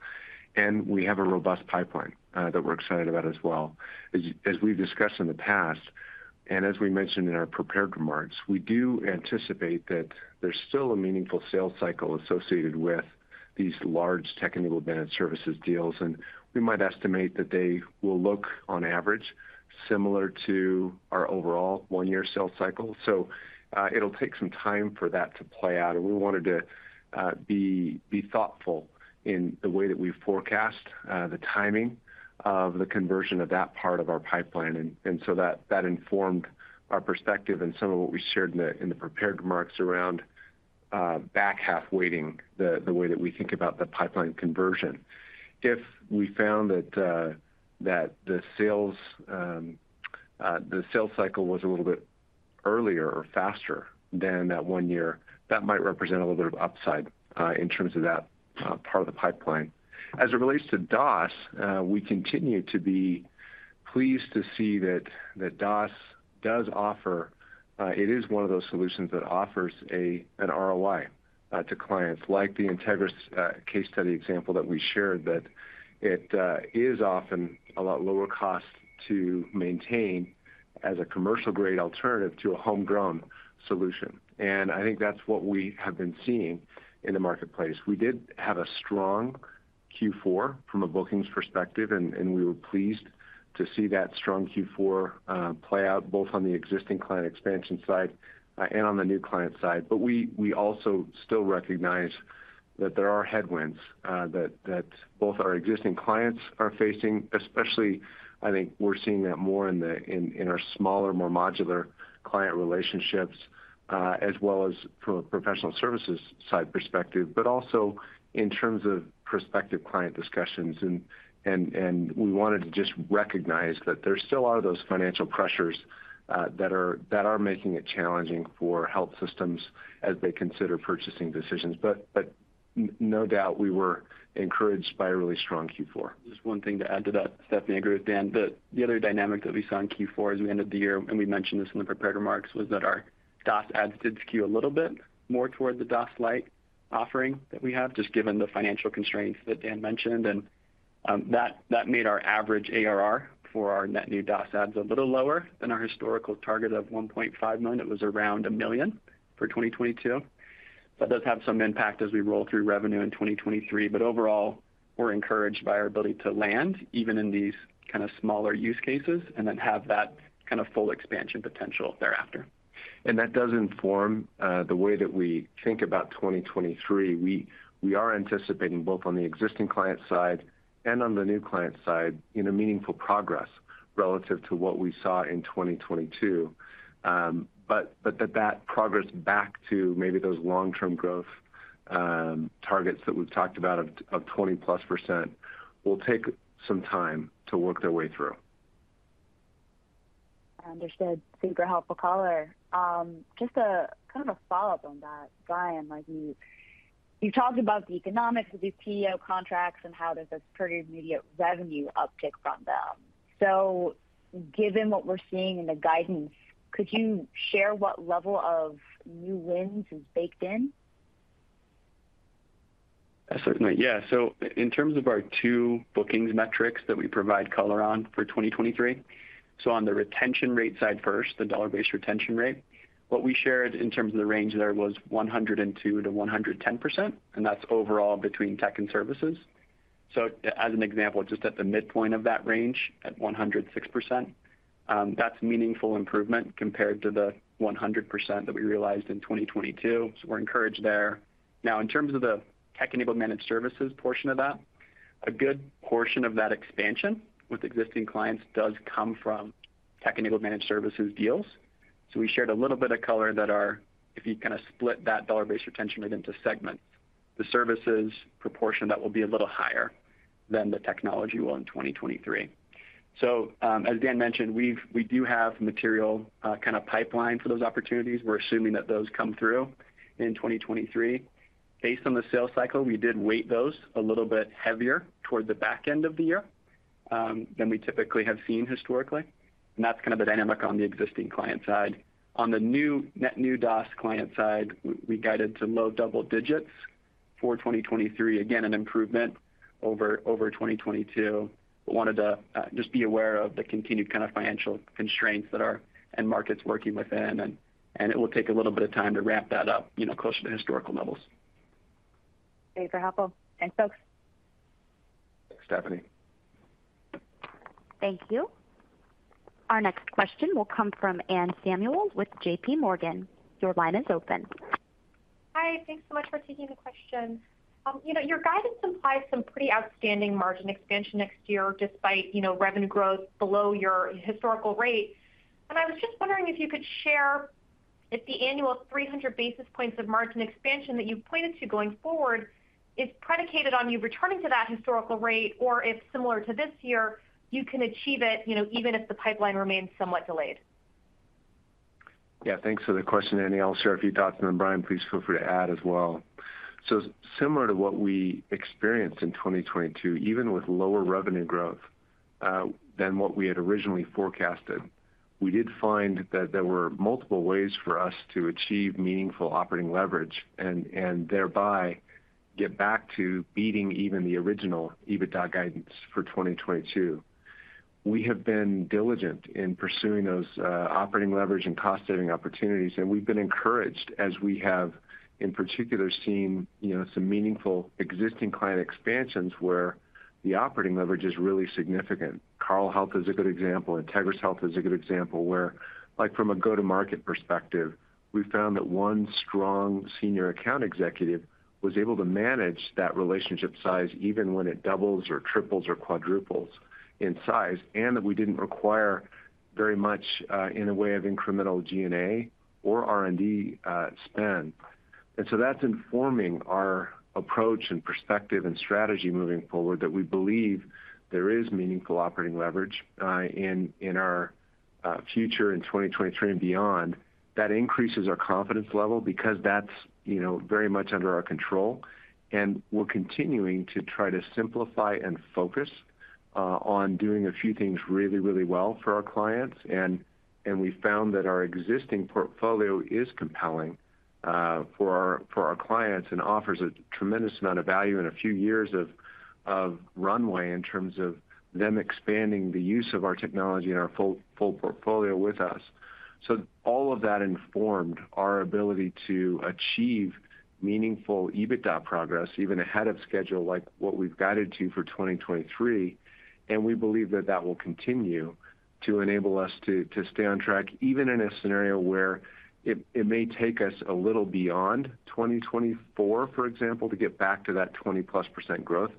We have a robust pipeline that we're excited about as well. As we've discussed in the past, and as we mentioned in our prepared remarks, we do anticipate that there's still a meaningful sales cycle associated with these large tech-enabled managed services deals, and we might estimate that they will look on average similar to our overall one-year sales cycle. It'll take some time for that to play out, and we wanted to be thoughtful in the way that we forecast the timing of the conversion of that part of our pipeline. That informed our perspective and some of what we shared in the prepared remarks around back half weighting the way that we think about the pipeline conversion. If we found that the sales cycle was a little bit earlier or faster than that one year, that might represent a little bit of upside in terms of that part of the pipeline. As it relates to DaaS, we continue to be pleased to see that DaaS does offer... It is one of those solutions that offers an ROI to clients like the INTEGRIS case study example that we shared, that it is often a lot lower cost to maintain as a commercial grade alternative to a homegrown solution. I think that's what we have been seeing in the marketplace. We did have a strong Q4 from a bookings perspective, and we were pleased to see that strong Q4 play out both on the existing client expansion side and on the new client side. We also still recognize that there are headwinds that both our existing clients are facing, especially I think we're seeing that more in our smaller, more modular client relationships, as well as from a professional services side perspective, but also in terms of prospective client discussions. We wanted to just recognize that there still are those financial pressures that are making it challenging for health systems as they consider purchasing decisions. No doubt we were encouraged by a really strong Q4. Just one thing to add to that, Stephanie. I agree with Dan. The other dynamic that we saw in Q4 as we ended the year, and we mentioned this in the prepared remarks, was that our DaaS adds did skew a little bit more toward the DaaS Lite offering that we have, just given the financial constraints that Dan mentioned. That made our average ARR for our net new DaaS adds a little lower than our historical target of $1.5 million. It was around $1 million for 2022. That does have some impact as we roll through revenue in 2023. Overall, we're encouraged by our ability to land even in these kind of smaller use cases and then have that kind of full expansion potential thereafter. That does inform the way that we think about 2023. We are anticipating both on the existing client side and on the new client side, you know, meaningful progress relative to what we saw in 2022. But that progress back to maybe those long-term growth targets that we've talked about of 20%+ will take some time to work their way through. Understood. Thank you for helpful color. Just a kind of a follow-up on that. Bryan, like you talked about the economics of these PEO contracts and how there's a pretty immediate revenue uptick from them. Given what we're seeing in the guidance, could you share what level of new wins is baked in? Certainly. Yeah. In terms of our two bookings metrics that we provide color on for 2023, on the retention rate side first, the dollar-based retention rate, what we shared in terms of the range there was 102-110%. That's overall between tech and services. As an example, just at the midpoint of that range, at 106%, that's meaningful improvement compared to the 100% that we realized in 2022. We're encouraged there. In terms of the tech-enabled managed services portion of that, a good portion of that expansion with existing clients does come from tech-enabled managed services deals. We shared a little bit of color that if you kind of split that dollar-based retention rate into segments, the services proportion of that will be a little higher than the technology will in 2023. As Dan mentioned, we do have material kind of pipeline for those opportunities. We're assuming that those come through in 2023. Based on the sales cycle, we did weight those a little bit heavier toward the back end of the year than we typically have seen historically. That's kind of the dynamic on the existing client side. On the new net new DaaS client side, we guided to low double digits for 2023. Again, an improvement over 2022. Wanted to just be aware of the continued kind of financial constraints that our end market's working within. It will take a little bit of time to ramp that up, you know, closer to historical levels. Okay. For helpful. Thanks, folks. Thanks, Stephanie. Thank you. Our next question will come from Anne Samuel with JPMorgan. Your line is open. Hi. Thanks so much for taking the question. you know, your guidance implies some pretty outstanding margin expansion next year despite, you know, revenue growth below your historical rate. I was just wondering if you could share if the annual 300 basis points of margin expansion that you pointed to going forward is predicated on you returning to that historical rate or if similar to this year, you can achieve it, you know, even if the pipeline remains somewhat delayed? Yeah. Thanks for the question, Anne. I'll share a few thoughts, and then Brian, please feel free to add as well. Similar to what we experienced in 2022, even with lower revenue growth than what we had originally forecasted, we did find that there were multiple ways for us to achieve meaningful operating leverage and thereby get back to beating even the original EBITDA guidance for 2022. We have been diligent in pursuing those operating leverage and cost saving opportunities, and we've been encouraged as we have in particular seen, you know, some meaningful existing client expansions where the operating leverage is really significant. Carle Health is a good example. INTEGRIS Health is a good example where like from a go-to-market perspective, we found that one strong senior account executive was able to manage that relationship size even when it doubles or triples or quadruples in size, and that we didn't require very much in the way of incremental SG&A or R&D spend. That's informing our approach and perspective and strategy moving forward that we believe there is meaningful operating leverage in our future in 2023 and beyond. That increases our confidence level because that's, you know, very much under our control. We're continuing to try to simplify and focus on doing a few things really, really well for our clients. We found that our existing portfolio is compelling for our clients and offers a tremendous amount of value and a few years of runway in terms of them expanding the use of our technology and our full portfolio with us. All of that informed our ability to achieve meaningful EBITDA progress even ahead of schedule, like what we've guided to for 2023. We believe that that will continue to enable us to stay on track, even in a scenario where it may take us a little beyond 2024, for example, to get back to that 20-plus % growth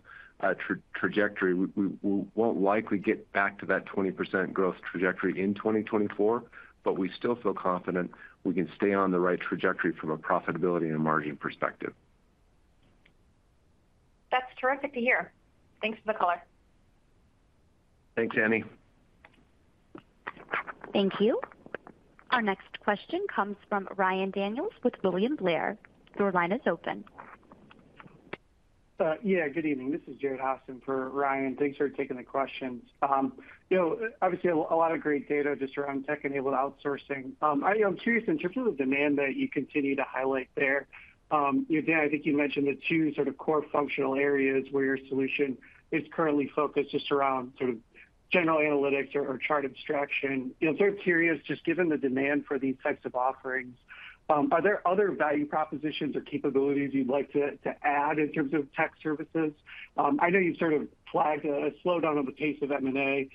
trajectory. We won't likely get back to that 20% growth trajectory in 2024, we still feel confident we can stay on the right trajectory from a profitability and a margin perspective. That's terrific to hear. Thanks for the color. Thanks, Anne. Thank you. Our next question comes from Ryan Daniels with William Blair. Your line is open. Yeah, good evening. This is Jared Holz for Ryan. Thanks for taking the questions. You know, obviously a lot of great data just around tech-enabled outsourcing. I am curious in terms of the demand that you continue to highlight there. Dan, I think you mentioned the two sort of core functional areas where your solution is currently focused just around sort of general analytics or chart abstraction. You know, I'm curious, just given the demand for these types of offerings, are there other value propositions or capabilities you'd like to add in terms of tech services? I know you've sort of flagged a slowdown on the pace of M&A,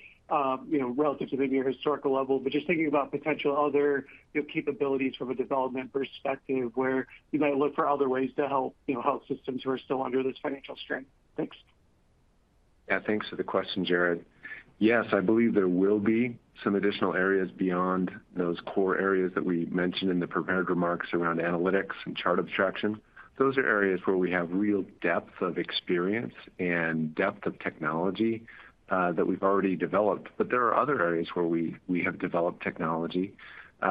you know, relative to maybe your historical level, but just thinking about potential other capabilities from a development perspective where you might look for other ways to help, you know, health systems who are still under this financial strain. Thanks. Yeah. Thanks for the question, Jared. I believe there will be some additional areas beyond those core areas that we mentioned in the prepared remarks around analytics and chart abstraction. Those are areas where we have real depth of experience and depth of technology that we've already developed. There are other areas where we have developed technology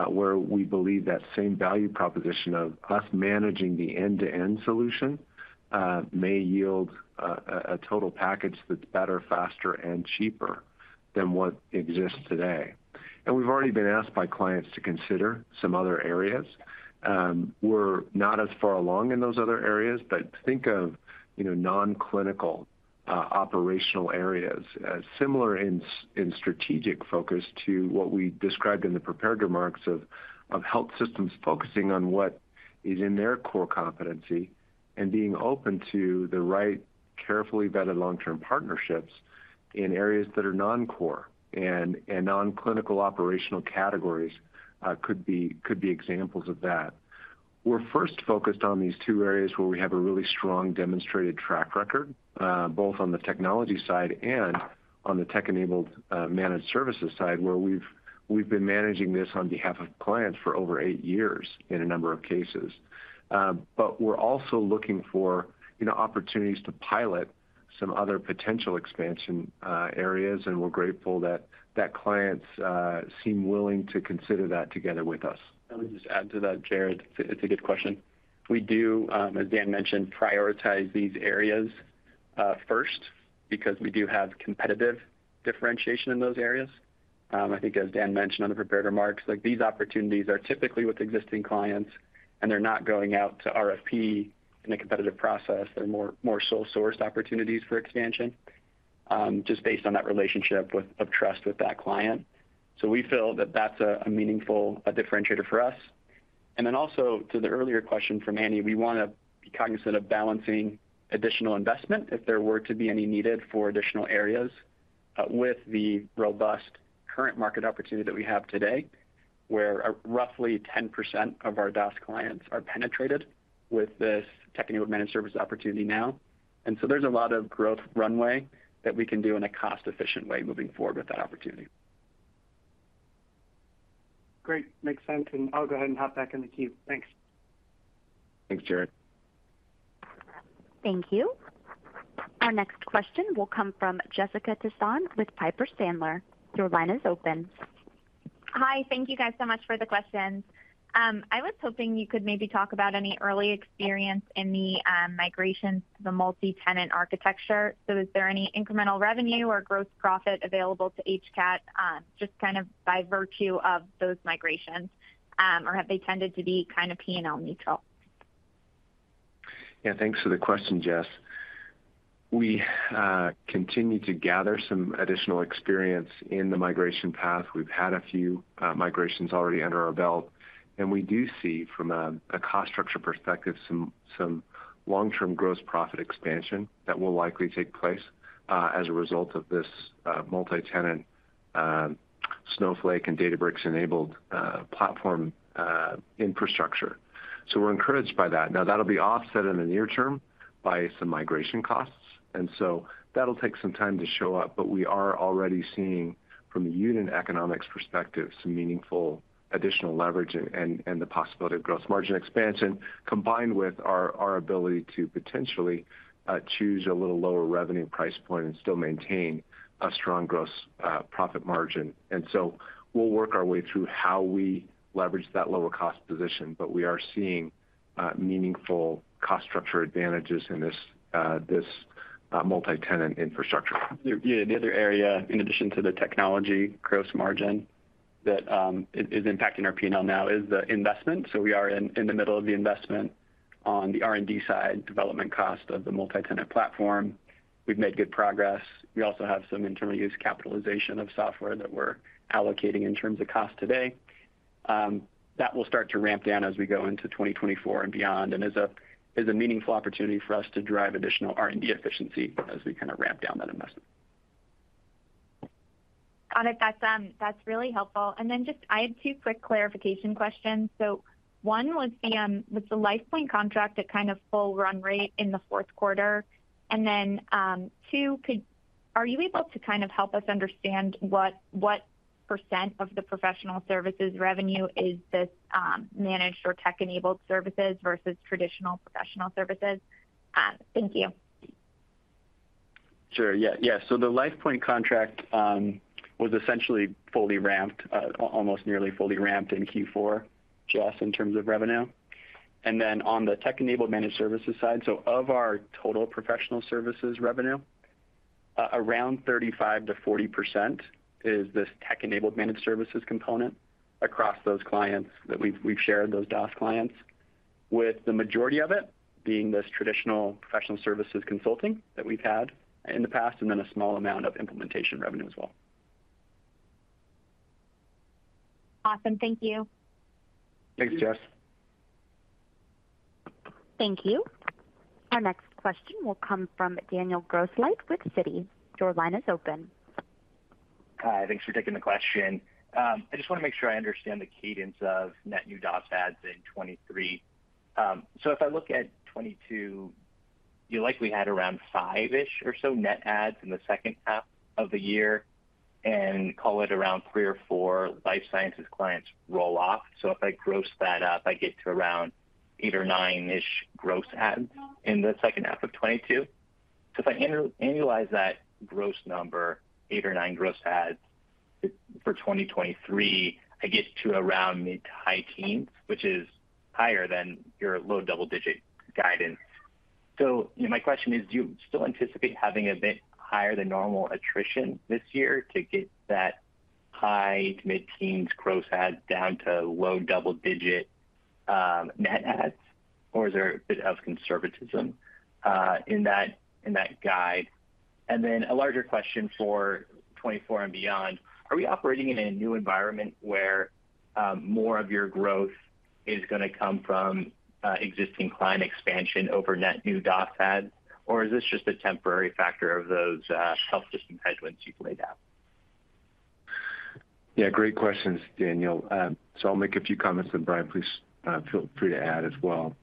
where we believe that same value proposition of us managing the end-to-end solution may yield a total package that's better, faster, and cheaper than what exists today. We've already been asked by clients to consider some other areas. We're not as far along in those other areas, but think of, you know, non-clinical, operational areas as similar in strategic focus to what we described in the prepared remarks of health systems focusing on what is in their core competency and being open to the right carefully vetted long-term partnerships in areas that are non-core and non-clinical operational categories, could be examples of that. We're first focused on these two areas where we have a really strong demonstrated track record, both on the technology side and on the tech-enabled, managed services side, where we've been managing this on behalf of clients for over eight years in a number of cases. We're also looking for, you know, opportunities to pilot some other potential expansion areas, and we're grateful that clients seem willing to consider that together with us. Let me just add to that, Jared. It's a good question. We do, as Dan mentioned, prioritize these areas, first because we do have competitive differentiation in those areas. I think as Dan mentioned on the prepared remarks, like these opportunities are typically with existing clients, and they're not going out to RFP in a competitive process. They're more sole sourced opportunities for expansion, just based on that relationship of trust with that client. We feel that that's a meaningful differentiator for us. Also to the earlier question from Anne, we wanna be cognizant of balancing additional investment if there were to be any needed for additional areas, with the robust current market opportunity that we have today, where roughly 10% of our DaaS clients are penetrated with this technical managed service opportunity now. There's a lot of growth runway that we can do in a cost-efficient way moving forward with that opportunity. Great. Makes sense. I'll go ahead and hop back in the queue. Thanks. Thanks, Jared. Thank you. Our next question will come from Jessica Tassan with Piper Sandler. Your line is open. Hi. Thank you guys so much for the questions. I was hoping you could maybe talk about any early experience in the migration to the multi-tenant architecture. Is there any incremental revenue or gross profit available to HCAT, just kind of by virtue of those migrations? Or have they tended to be kind of P&L neutral? Yeah, thanks for the question, Jess. We continue to gather some additional experience in the migration path. We've had a few migrations already under our belt, and we do see from a cost structure perspective some long-term gross profit expansion that will likely take place as a result of this multi-tenant Snowflake and Databricks-enabled platform infrastructure. We're encouraged by that. Now, that'll be offset in the near term by some migration costs, and so that'll take some time to show up. We are already seeing from a unit economics perspective, some meaningful additional leverage and the possibility of gross margin expansion, combined with our ability to potentially choose a little lower revenue price point and still maintain a strong gross profit margin. We'll work our way through how we leverage that lower cost position, but we are seeing meaningful cost structure advantages in this multi-tenant infrastructure. Yeah. The other area, in addition to the technology gross margin that is impacting our P&L now is the investment. We are in the middle of the investment on the R&D side, development cost of the multi-tenant platform. We've made good progress. We also have some internal use capitalization of software that we're allocating in terms of cost today. That will start to ramp down as we go into 2024 and beyond, and is a meaningful opportunity for us to drive additional R&D efficiency as we kind of ramp down that investment. Got it. That's really helpful. Just I had two quick clarification questions. One was the LifePoint contract at kind of full run rate in the Q4? Two, are you able to kind of help us understand what% of the professional services revenue is this managed or tech-enabled services versus traditional professional services? Thank you. Sure. Yeah. Yeah. The LifePoint contract was essentially fully ramped, almost nearly fully ramped in Q4, Jess, in terms of revenue. On the tech-enabled managed services side, of our total professional services revenue, around 35-40% is this tech-enabled managed services component across those clients that we've shared, those DOS clients, with the majority of it being this traditional professional services consulting that we've had in the past, and a small amount of implementation revenue as well. Awesome. Thank you. Thanks, Jess. Thank you. Our next question will come from Daniel Grosslight with Citi. Your line is open. Hi. Thanks for taking the question. I just wanna make sure I understand the cadence of net new DOS adds in 2023. If I look at 2022, you likely had around five-ish or so net adds in the H2 of the year, and call it around three or four life sciences clients roll off. If I gross that up, I get to around 8 or 9-ish gross adds in the H2 of 2022. If I annualize that gross number, eight or nine gross adds for 2023, I get to around mid-to-high teens, which is higher than your low double-digit guidance. You know, my question is, do you still anticipate having a bit higher than normal attrition this year to get that high-to-mid teens gross adds down to low double-digit net adds, or is there a bit of conservatism in that, in that guide? A larger question for 2024 and beyond, are we operating in a new environment where more of your growth is gonna come from existing client expansion over net new DOS adds? Or is this just a temporary factor of those health system headwinds you've laid out? Yeah, great questions, Daniel. I'll make a few comments, and Bryan, please, feel free to add as well.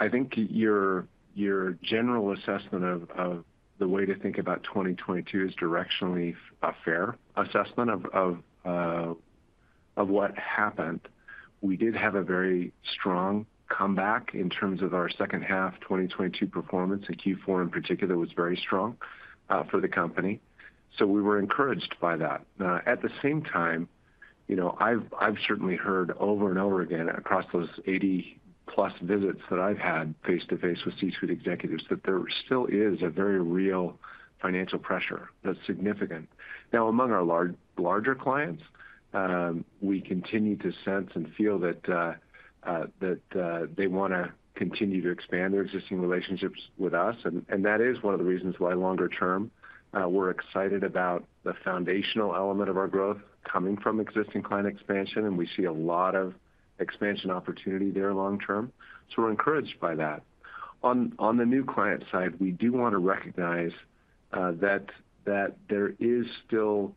I think your general assessment of the way to think about 2022 is directionally a fair assessment of what happened. We did have a very strong comeback in terms of our H2 2022 performance, and Q4 in particular was very strong for the company. We were encouraged by that. At the same time, you know, I've certainly heard over and over again across those 80-plus visits that I've had face-to-face with C-suite executives, that there still is a very real financial pressure that's significant. Now, among our larger clients, we continue to sense and feel that they wanna continue to expand their existing relationships with us. That is one of the reasons why longer term, we're excited about the foundational element of our growth coming from existing client expansion, and we see a lot of expansion opportunity there long term. We're encouraged by that. On the new client side, we do wanna recognize, that there is still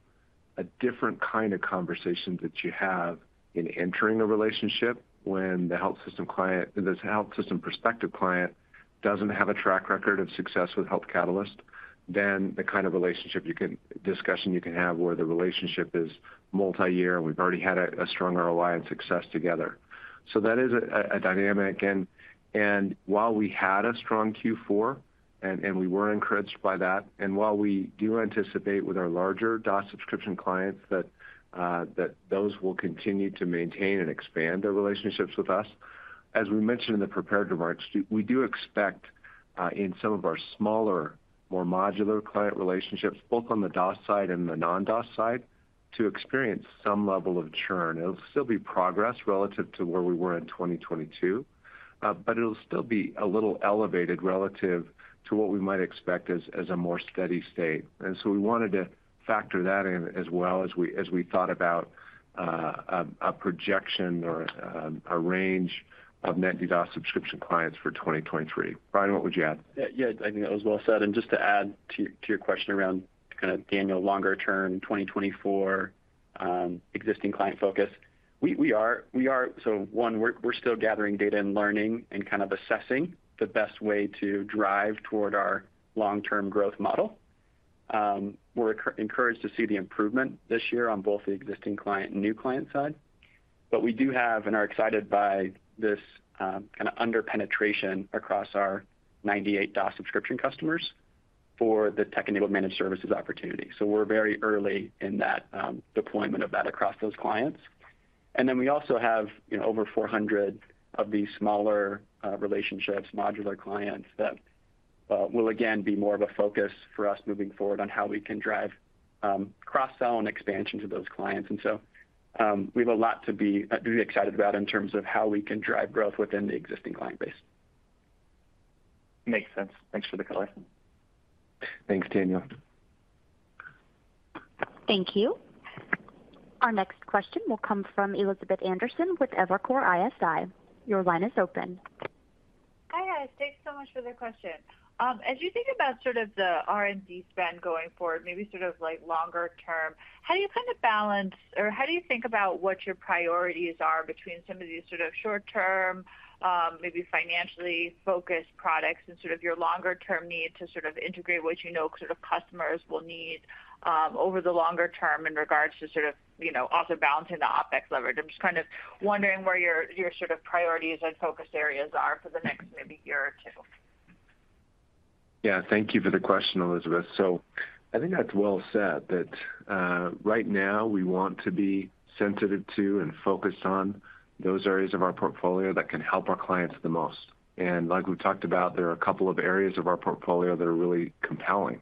a different kind of conversation that you have in entering a relationship when this health system prospective client doesn't have a track record of success with Health Catalyst, than the kind of discussion you can have where the relationship is multiyear, and we've already had a strong ROI and success together. That is a dynamic. While we had a strong Q4 and we were encouraged by that, and while we do anticipate with our larger DOS subscription clients that those will continue to maintain and expand their relationships with us, as we mentioned in the prepared remarks, we do expect in some of our smaller, more modular client relationships, both on the DOS side and the non-DOS side, to experience some level of churn. It'll still be progress relative to where we were in 2022, but it'll still be a little elevated relative to what we might expect as a more steady state. We wanted to factor that in as well as we, as we thought about a projection or a range of net new DOS subscription clients for 2023. Bryan, what would you add? Yeah, yeah, I think that was well said. Just to add to your question around kind of Daniel longer term 2024, existing client focus. One, we're still gathering data and learning and kind of assessing the best way to drive toward our long-term growth model. We're encouraged to see the improvement this year on both the existing client and new client side. We do have and are excited by this, kind of under-penetration across our 98 DOS subscription customers for the tech-enabled managed services opportunity. We're very early in that, deployment of that across those clients. We also have, you know, over 400 of these smaller relationships, modular clients that will again be more of a focus for us moving forward on how we can drive cross-sell and expansion to those clients. We have a lot to be excited about in terms of how we can drive growth within the existing client base. Makes sense. Thanks for the color. Thanks, Daniel. Thank you. Our next question will come from Elizabeth Anderson with Evercore ISI. Your line is open. Hi, guys. Thanks so much for the question. As you think about sort of the R&D spend going forward, maybe sort of like longer term, how do you kind of balance or how do you think about what your priorities are between some of these sort of short term, maybe financially focused products and sort of your longer term need to sort of integrate what you know sort of customers will need, over the longer term in regards to sort of, you know, also balancing the OpEx leverage? I'm just kind of wondering where your sort of priorities and focus areas are for the next maybe year or two. Yeah. Thank you for the question, Elizabeth. I think that's well said that, right now we want to be sensitive to and focused on those areas of our portfolio that can help our clients the most. Like we talked about, there are a couple of areas of our portfolio that are really compelling,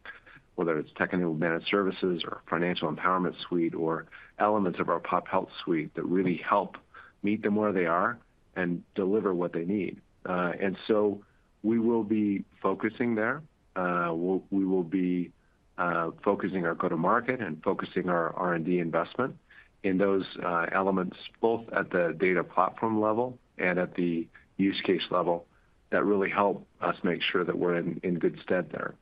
whether it's tech-enabled managed services or Financial Empowerment Suite or elements of our Pop Health Suite that really help meet them where they are and deliver what they need. We will be focusing there. We will be focusing our go-to-market and focusing our R&D investment in those elements, both at the data platform level and at the use case level that really help us make sure that we're in good stead there.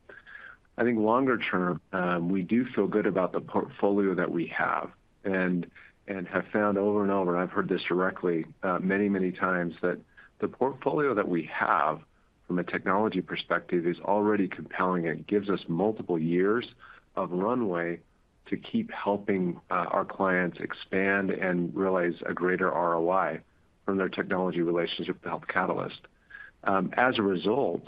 I think longer term, we do feel good about the portfolio that we have and have found over and over, and I've heard this directly many, many times, that the portfolio that we have from a technology perspective is already compelling. It gives us multiple years of runway to keep helping our clients expand and realize a greater ROI from their technology relationship with Health Catalyst. As a result,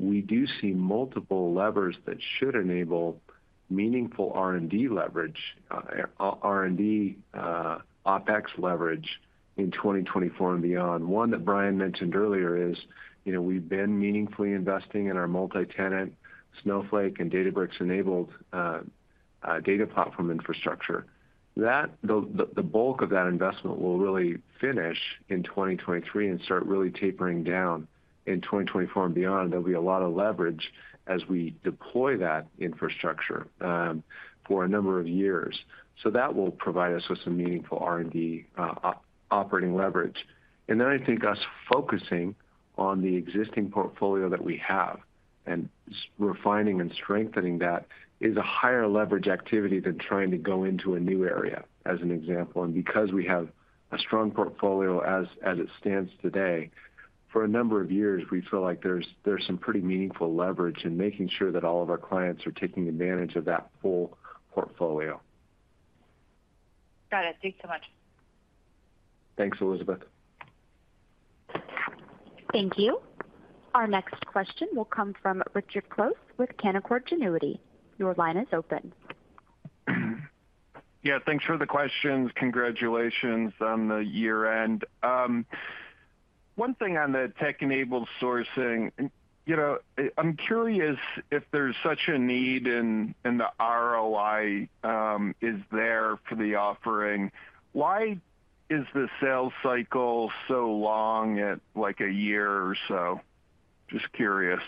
we do see multiple levers that should enable meaningful R&D leverage, OpEx leverage in 2024 and beyond. One that Bryan mentioned earlier is, you know, we've been meaningfully investing in our multi-tenant Snowflake and Databricks-enabled data platform infrastructure. The bulk of that investment will really finish in 2023 and start really tapering down in 2024 and beyond. There'll be a lot of leverage as we deploy that infrastructure, for a number of years. That will provide us with some meaningful R&D, operating leverage. Then I think us focusing on the existing portfolio that we have and refining and strengthening that is a higher leverage activity than trying to go into a new area, as an example. Because we have a strong portfolio as it stands today, for a number of years, we feel like there's some pretty meaningful leverage in making sure that all of our clients are taking advantage of that full portfolio. Got it. Thanks so much. Thanks, Elizabeth. Thank you. Our next question will come from Richard Close with Canaccord Genuity. Your line is open. Yeah, thanks for the questions. Congratulations on the year-end. One thing on the tech-enabled sourcing. You know, I'm curious if there's such a need and the ROI is there for the offering. Why is the sales cycle so long at, like, a year or so? Just curious.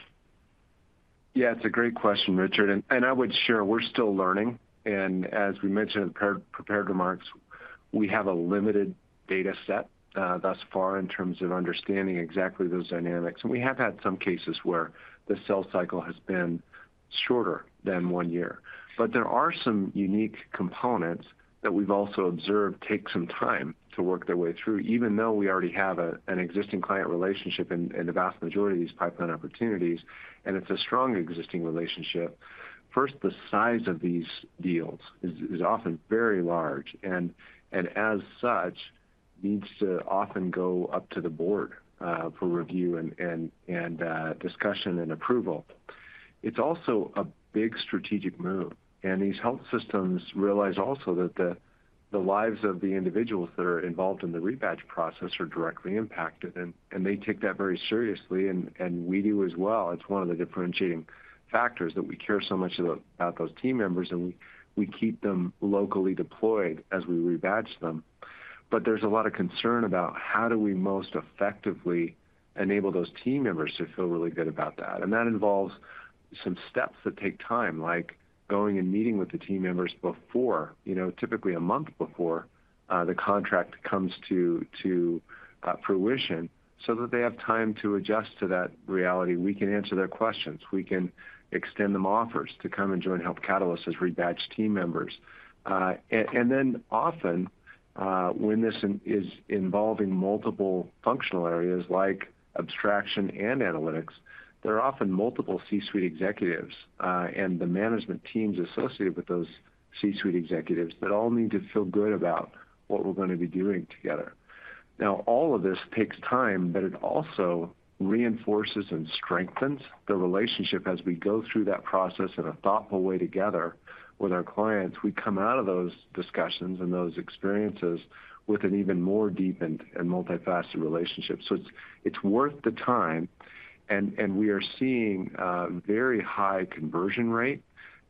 Yeah, it's a great question, Richard. I would share, we're still learning. As we mentioned in prepared remarks, we have a limited data set thus far in terms of understanding exactly those dynamics. We have had some cases where the sales cycle has been shorter than one year. There are some unique components that we've also observed take some time to work their way through, even though we already have an existing client relationship in the vast majority of these pipeline opportunities, and it's a strong existing relationship. First, the size of these deals is often very large and as such, needs to often go up to the board for review and discussion and approval. It's also a big strategic move, and these health systems realize also that the lives of the individuals that are involved in the rebadge process are directly impacted and they take that very seriously and we do as well. It's one of the differentiating factors that we care so much about those team members, and we keep them locally deployed as we rebadge them. There's a lot of concern about how do we most effectively enable those team members to feel really good about that. That involves some steps that take time, like going and meeting with the team members before, you know, typically a month before, the contract comes to fruition so that they have time to adjust to that reality. We can answer their questions. We can extend them offers to come and join Health Catalyst as rebadge team members. Then often, when this is involving multiple functional areas like abstraction and analytics, there are often multiple C-suite executives, and the management teams associated with those C-suite executives that all need to feel good about what we're gonna be doing together. All of this takes time, but it also reinforces and strengthens the relationship as we go through that process in a thoughtful way together with our clients. We come out of those discussions and those experiences with an even more deepened and multifaceted relationship. It's worth the time and we are seeing a very high conversion rate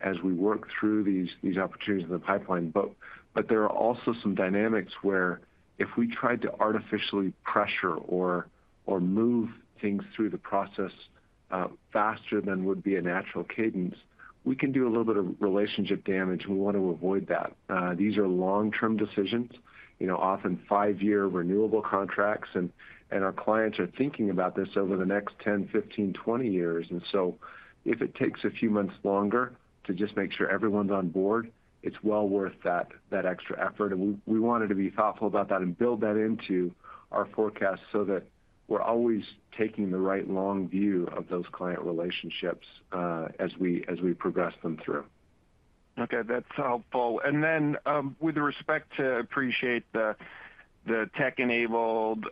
as we work through these opportunities in the pipeline. There are also some dynamics where if we tried to artificially pressure or move things through the process faster than would be a natural cadence, we can do a little bit of relationship damage, and we want to avoid that. These are long-term decisions, you know, often five-year renewable contracts and our clients are thinking about this over the next 10, 15, 20 years. If it takes a few months longer to just make sure everyone's on board, it's well worth that extra effort. We wanted to be thoughtful about that and build that into our forecast so that we're always taking the right long view of those client relationships, as we progress them through. Okay, that's helpful. With respect to appreciate the tech-enabled,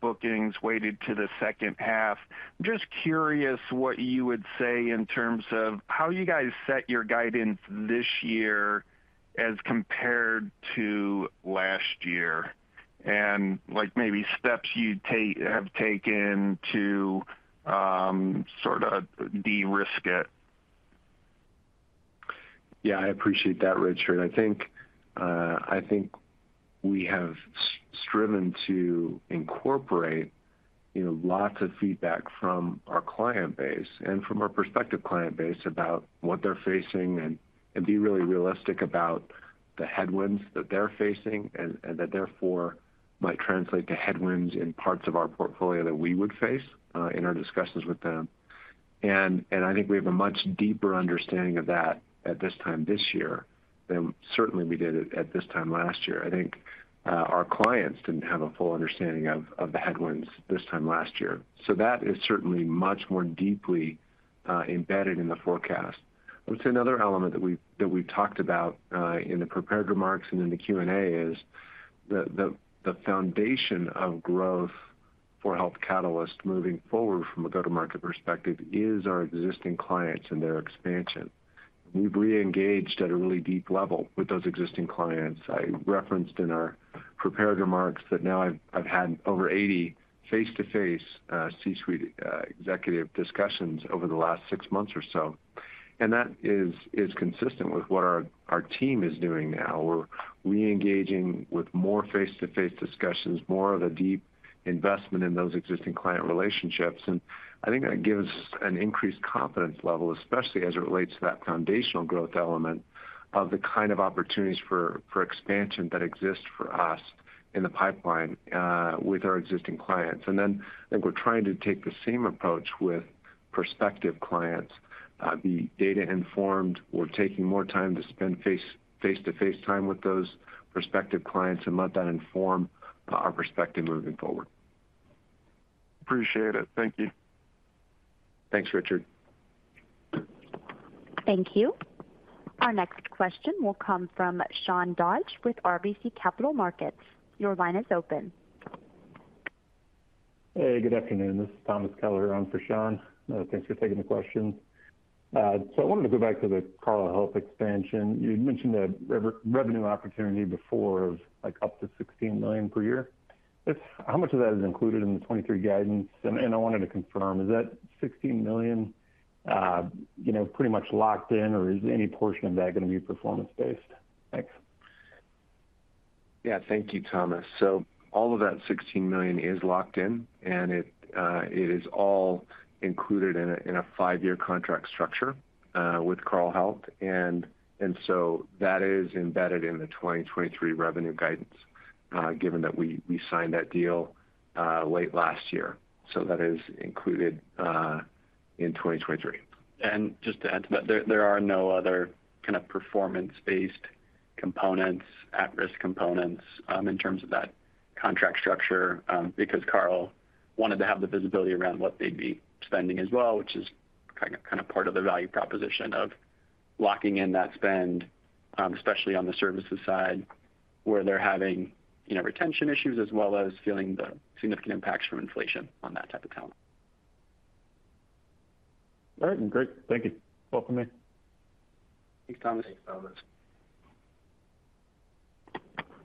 bookings weighted to the H2, just curious what you would say in terms of how you guys set your guidance this year as compared to last year and like maybe steps you have taken to, sort of de-risk it? Yeah, I appreciate that, Richard. I think, I think we have striven to incorporate, you know, lots of feedback from our client base and from our prospective client base about what they're facing and be really realistic about the headwinds that they're facing and that therefore might translate to headwinds in parts of our portfolio that we would face in our discussions with them. I think we have a much deeper understanding of that at this time this year than certainly we did at this time last year. I think our clients didn't have a full understanding of the headwinds this time last year. That is certainly much more deeply embedded in the forecast. I would say another element that we talked about in the prepared remarks and in the Q&A is the foundation of growth for Health Catalyst moving forward from a go-to-market perspective is our existing clients and their expansion. We've reengaged at a really deep level with those existing clients. I referenced in our prepared remarks that now I've had over 80 face-to-face C-suite executive discussions over the last 6 months or so. That is consistent with what our team is doing now. We're reengaging with more face-to-face discussions, more of a deep investment in those existing client relationships. I think that gives an increased confidence level, especially as it relates to that foundational growth element of the kind of opportunities for expansion that exist for us in the pipeline with our existing clients. I think we're trying to take the same approach with prospective clients, be data informed. We're taking more time to spend face-to-face time with those prospective clients and let that inform our perspective moving forward. Appreciate it. Thank you. Thanks, Richard. Thank you. Our next question will come from Sean Dodge with RBC Capital Markets. Your line is open. Hey, good afternoon. This is John Keller on for Sean. Thanks for taking the question. I wanted to go back to the Carle Health expansion. You'd mentioned a revenue opportunity before of like up to $16 million per year. How much of that is included in the 2023 guidance? I wanted to confirm, is that $16 million, you know, pretty much locked in, or is any portion of that gonna be performance based? Thanks. Yeah. Thank you, Thomas. So, all of that $16 million is locked in, and it is all included in a five-year contract structure with Carle Health. That is embedded in the 2023 revenue guidance, given that we signed that deal late last year. That is included in 2023. Just to add to that, there are no other kind of performance-based components, at-risk components, in terms of that contract structure, because Carle wanted to have the visibility around what they'd be spending as well, which is kind of part of the value proposition of. Locking in that spend, especially on the services side where they're having, you know, retention issues as well as feeling the significant impacts from inflation on that type of talent. All right. Great. Thank you. That's all for me. Thanks, John. Thanks, John.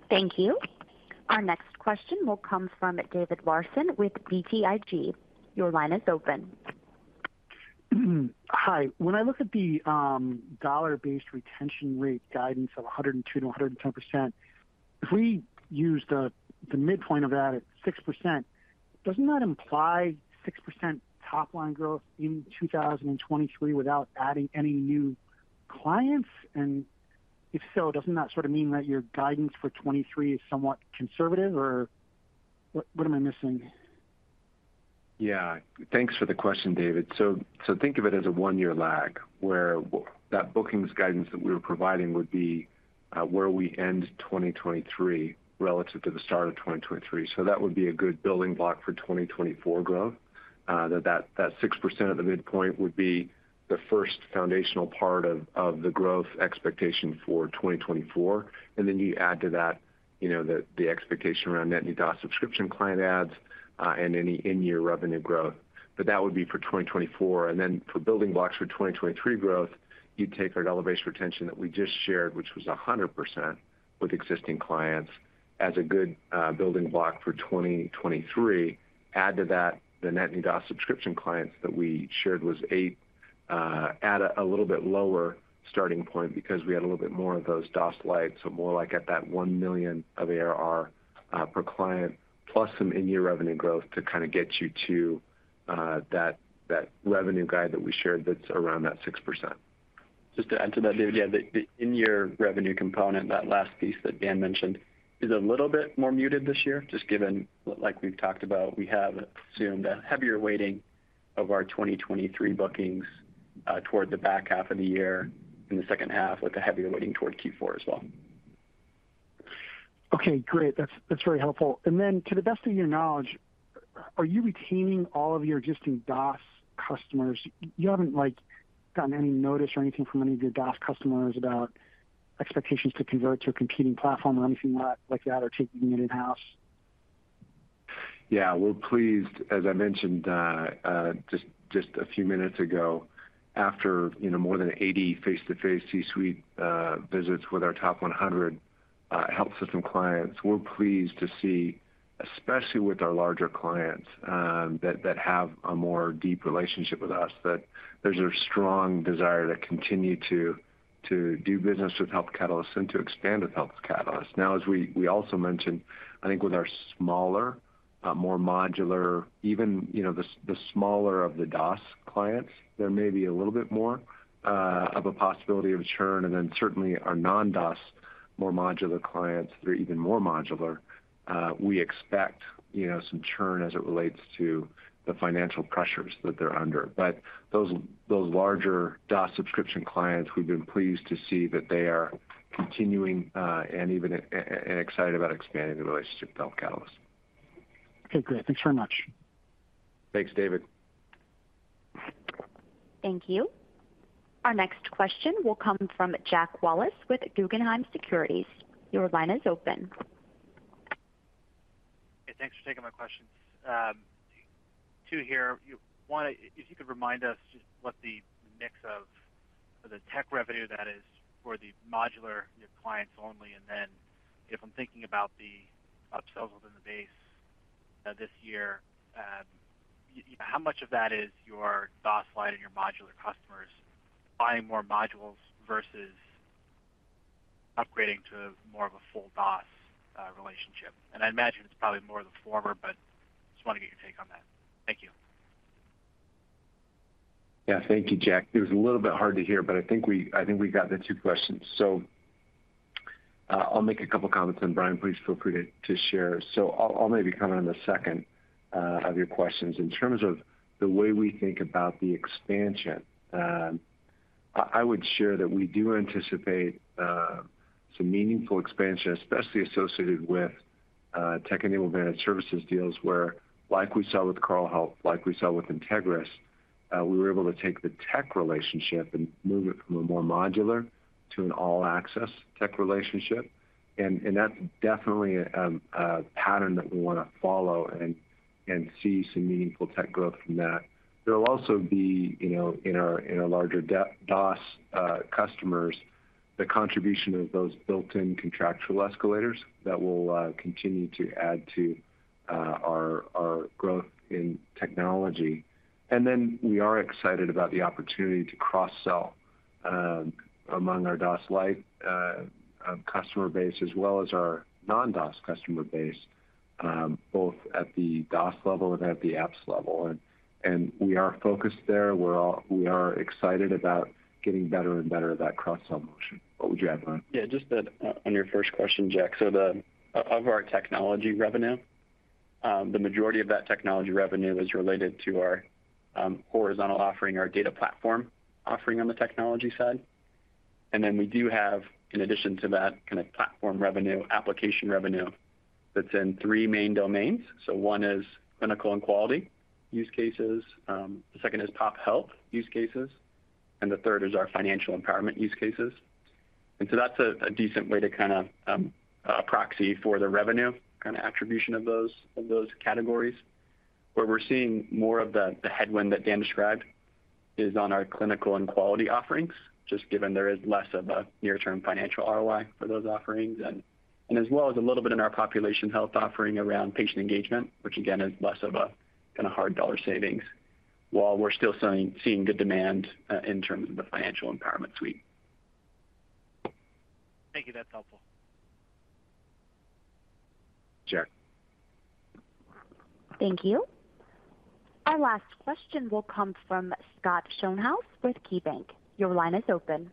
Thank you. Our next question will come from David Larsen with BTIG. Your line is open. Hi. When I look at the dollar-based retention rate guidance of 1002-110%, if we use the midpoint of that at 6%, doesn't that imply 6% top line growth in 2023 without adding any new clients? If so, doesn't that sort of mean that your guidance for 2023 is somewhat conservative, or what am I missing? Thanks for the question, David. Think of it as a one-year lag, where that bookings guidance that we were providing would be where we end 2023 relative to the start of 2023. That would be a good building block for 2024 growth. That 6% at the midpoint would be the first foundational part of the growth expectation for 2024. You add to that, you know, the expectation around net new DaaS subscription client adds and any in-year revenue growth. That would be for 2024. For building blocks for 2023 growth, you'd take our elevation retention that we just shared, which was 100% with existing clients, as a good building block for 2023. Add to that the net new DaaS subscription clients that we shared was eight. Add a little bit lower starting point because we had a little bit more of those DaaS Lite, so more like at that $1 million of ARR per client, plus some in-year revenue growth to kind of get you to that revenue guide that we shared that's around that 6%. Just to add to that, David. Yeah, the in-year revenue component, that last piece that Dan mentioned, is a little bit more muted this year, just given, like we've talked about, we have assumed a heavier weighting of our 2023 bookings, toward the back half of the year in the H2, with a heavier weighting toward Q4 as well. Okay, great. That's very helpful. To the best of your knowledge, are you retaining all of your existing DaaS customers? You haven't, like, gotten any notice or anything from any of your DaaS customers about expectations to convert to a competing platform or anything like that, or taking it in-house? Yeah. We're pleased, as I mentioned, just a few minutes ago, after, you know, more than 80 face-to-face C-suite visits with our top 100 health system clients. We're pleased to see, especially with our larger clients, that have a more deep relationship with us, that there's a strong desire to continue to do business with Health Catalyst and to expand with Health Catalyst. As we also mentioned, I think with our smaller, more modular, even, you know, the smaller of the DaaS clients, there may be a little bit more of a possibility of churn. Certainly our non-DaaS, more modular clients that are even more modular, we expect, you know, some churn as it relates to the financial pressures that they're under. Those larger DaaS subscription clients, we've been pleased to see that they are continuing, and even and excited about expanding the relationship with Health Catalyst. Okay, great. Thanks very much. Thanks, David. Thank you. Our next question will come from Jack Wallace with Guggenheim Securities. Your line is open. Hey, thanks for taking my questions. Two here. One, if you could remind us just what the mix of the tech revenue that is for the modular clients only. If I'm thinking about the upsells within the base, this year, how much of that is your DaaS Lite and your modular customers buying more modules versus upgrading to more of a full DaaS relationship? I imagine it's probably more of the former, but just want to get your take on that. Thank you. Thank you, Jack. It was a little bit hard to hear, I think we got the two questions. I'll make a couple of comments and Bryan, please feel free to share. I'll maybe comment on the second of your questions. In terms of the way we think about the expansion, I would share that we do anticipate some meaningful expansion, especially associated with tech-enabled managed services deals where like we saw with Carle Health, like we saw with INTEGRIS Health, we were able to take the tech relationship and move it from a more modular to an all-access tech relationship. That's definitely a pattern that we wanna follow and see some meaningful tech growth from that. There will also be, you know, in our larger DaaS customers, the contribution of those built-in contractual escalators that will continue to add to our growth in technology. We are excited about the opportunity to cross-sell among our DaaS Lite customer base as well as our non-DaaS customer base, both at the DaaS level and at the apps level. We are focused there. We are excited about getting better and better at that cross-sell motion. What would you add, Bryan? Yeah. Just that on your first question, Jack. Of our technology revenue, the majority of that technology revenue is related to our horizontal offering, our data platform offering on the technology side. We do have, in addition to that kind of platform revenue, application revenue that's in three main domains. One is clinical and quality use cases. The second is top health use cases, and the third is our Financial Empowerment use cases. That's a decent way to kind of proxy for the revenue kind of attribution of those, of those categories. Where we're seeing more of the headwind that Dan described is on our clinical and quality offerings, just given there is less of a near-term financial ROI for those offerings. As well as a little bit in our population health offering around patient engagement which, again, is less of a kind of hard $ savings, while we're still seeing good demand, in terms of the Financial Empowerment Suite. Thank you. That's helpful. Sure. Thank you. Our last question will come from Scott Schoenhaus with KeyBanc. Your line is open.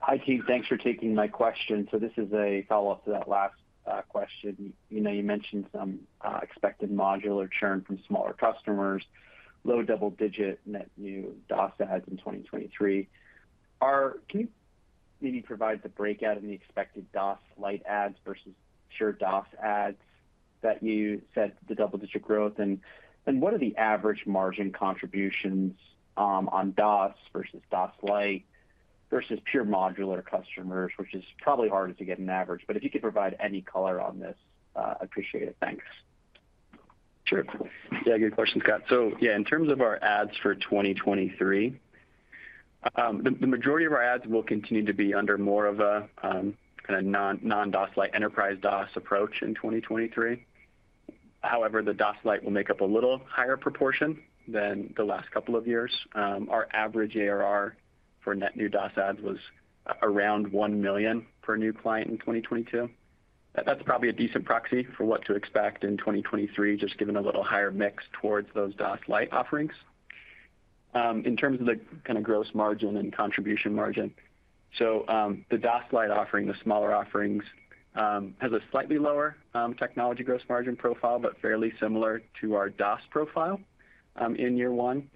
Hi, team. Thanks for taking my question. This is a follow-up to that last question. You know, you mentioned some expected modular churn from smaller customers, low double-digit net new DOS ads in 2023. Can you maybe provide the breakout in the expected DOS Lite ads versus pure DOS ads that you said the double-digit growth? What are the average margin contributions on DOS versus DOS Lite versus pure modular customers, which is probably hard to get an average? If you could provide any color on this, I'd appreciate it. Thanks. Sure. Yeah, good question, Scott. Yeah, in terms of our ads for 2023, the majority of our ads will continue to be under more of a kind of non-DOS Lite, enterprise DOS approach in 2023. However, the DOS Lite will make up a little higher proportion than the last couple of years. Our average ARR for net new DOS ads was around $1 million per new client in 2022. That's probably a decent proxy for what to expect in 2023, just given a little higher mix towards those DOS Lite offerings. In terms of the kind of gross margin and contribution margin, the DOS Lite offering, the smaller offerings, has a slightly lower technology gross margin profile, but fairly similar to our DOS profile in year one.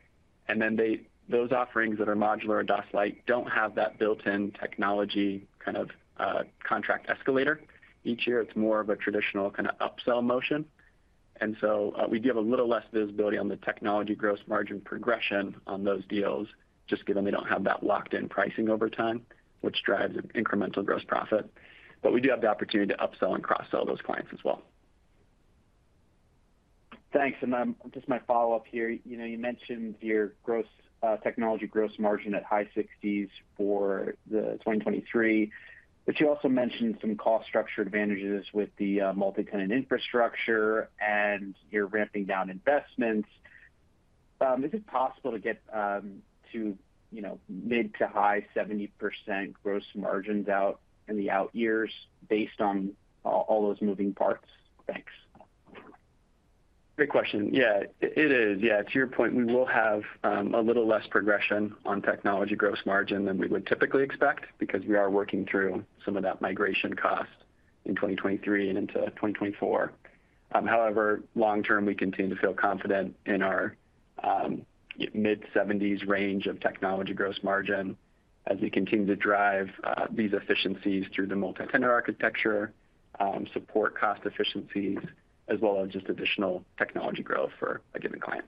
Those offerings that are modular or DOS Lite don't have that built-in technology kind of contract escalator. Each year it's more of a traditional kind of upsell motion. We do have a little less visibility on the technology gross margin progression on those deals just given they don't have that locked in pricing over time, which drives an incremental gross profit. We do have the opportunity to upsell and cross-sell those clients as well. Thanks. Just my follow-up here. You know, you mentioned your gross technology gross margin at high 60s for 2023, but you also mentioned some cost structure advantages with the multi-tenant infrastructure and you're ramping down investments. Is it possible to get to, you know, mid to high 70% gross margins out in the out years based on all those moving parts? Thanks. Great question. Yeah, it is. Yeah, to your point, we will have a little less progression on technology gross margin than we would typically expect because we are working through some of that migration cost in 2023 and into 2024. However, long term, we continue to feel confident in our mid-70s range of technology gross margin as we continue to drive these efficiencies through the multi-tenant architecture, support cost efficiencies, as well as just additional technology growth for a given client.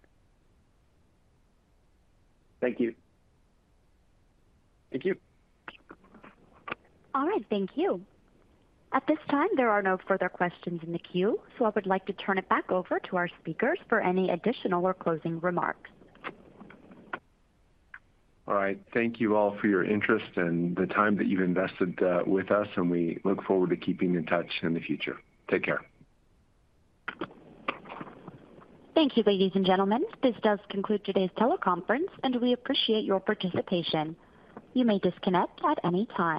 Thank you. Thank you. All right. Thank you. At this time, there are no further questions in the queue. I would like to turn it back over to our speakers for any additional or closing remarks. All right. Thank you all for your interest and the time that you've invested, with us, and we look forward to keeping in touch in the future. Take care. Thank you, ladies and gentlemen. This does conclude today's teleconference, and we appreciate your participation. You may disconnect at any time.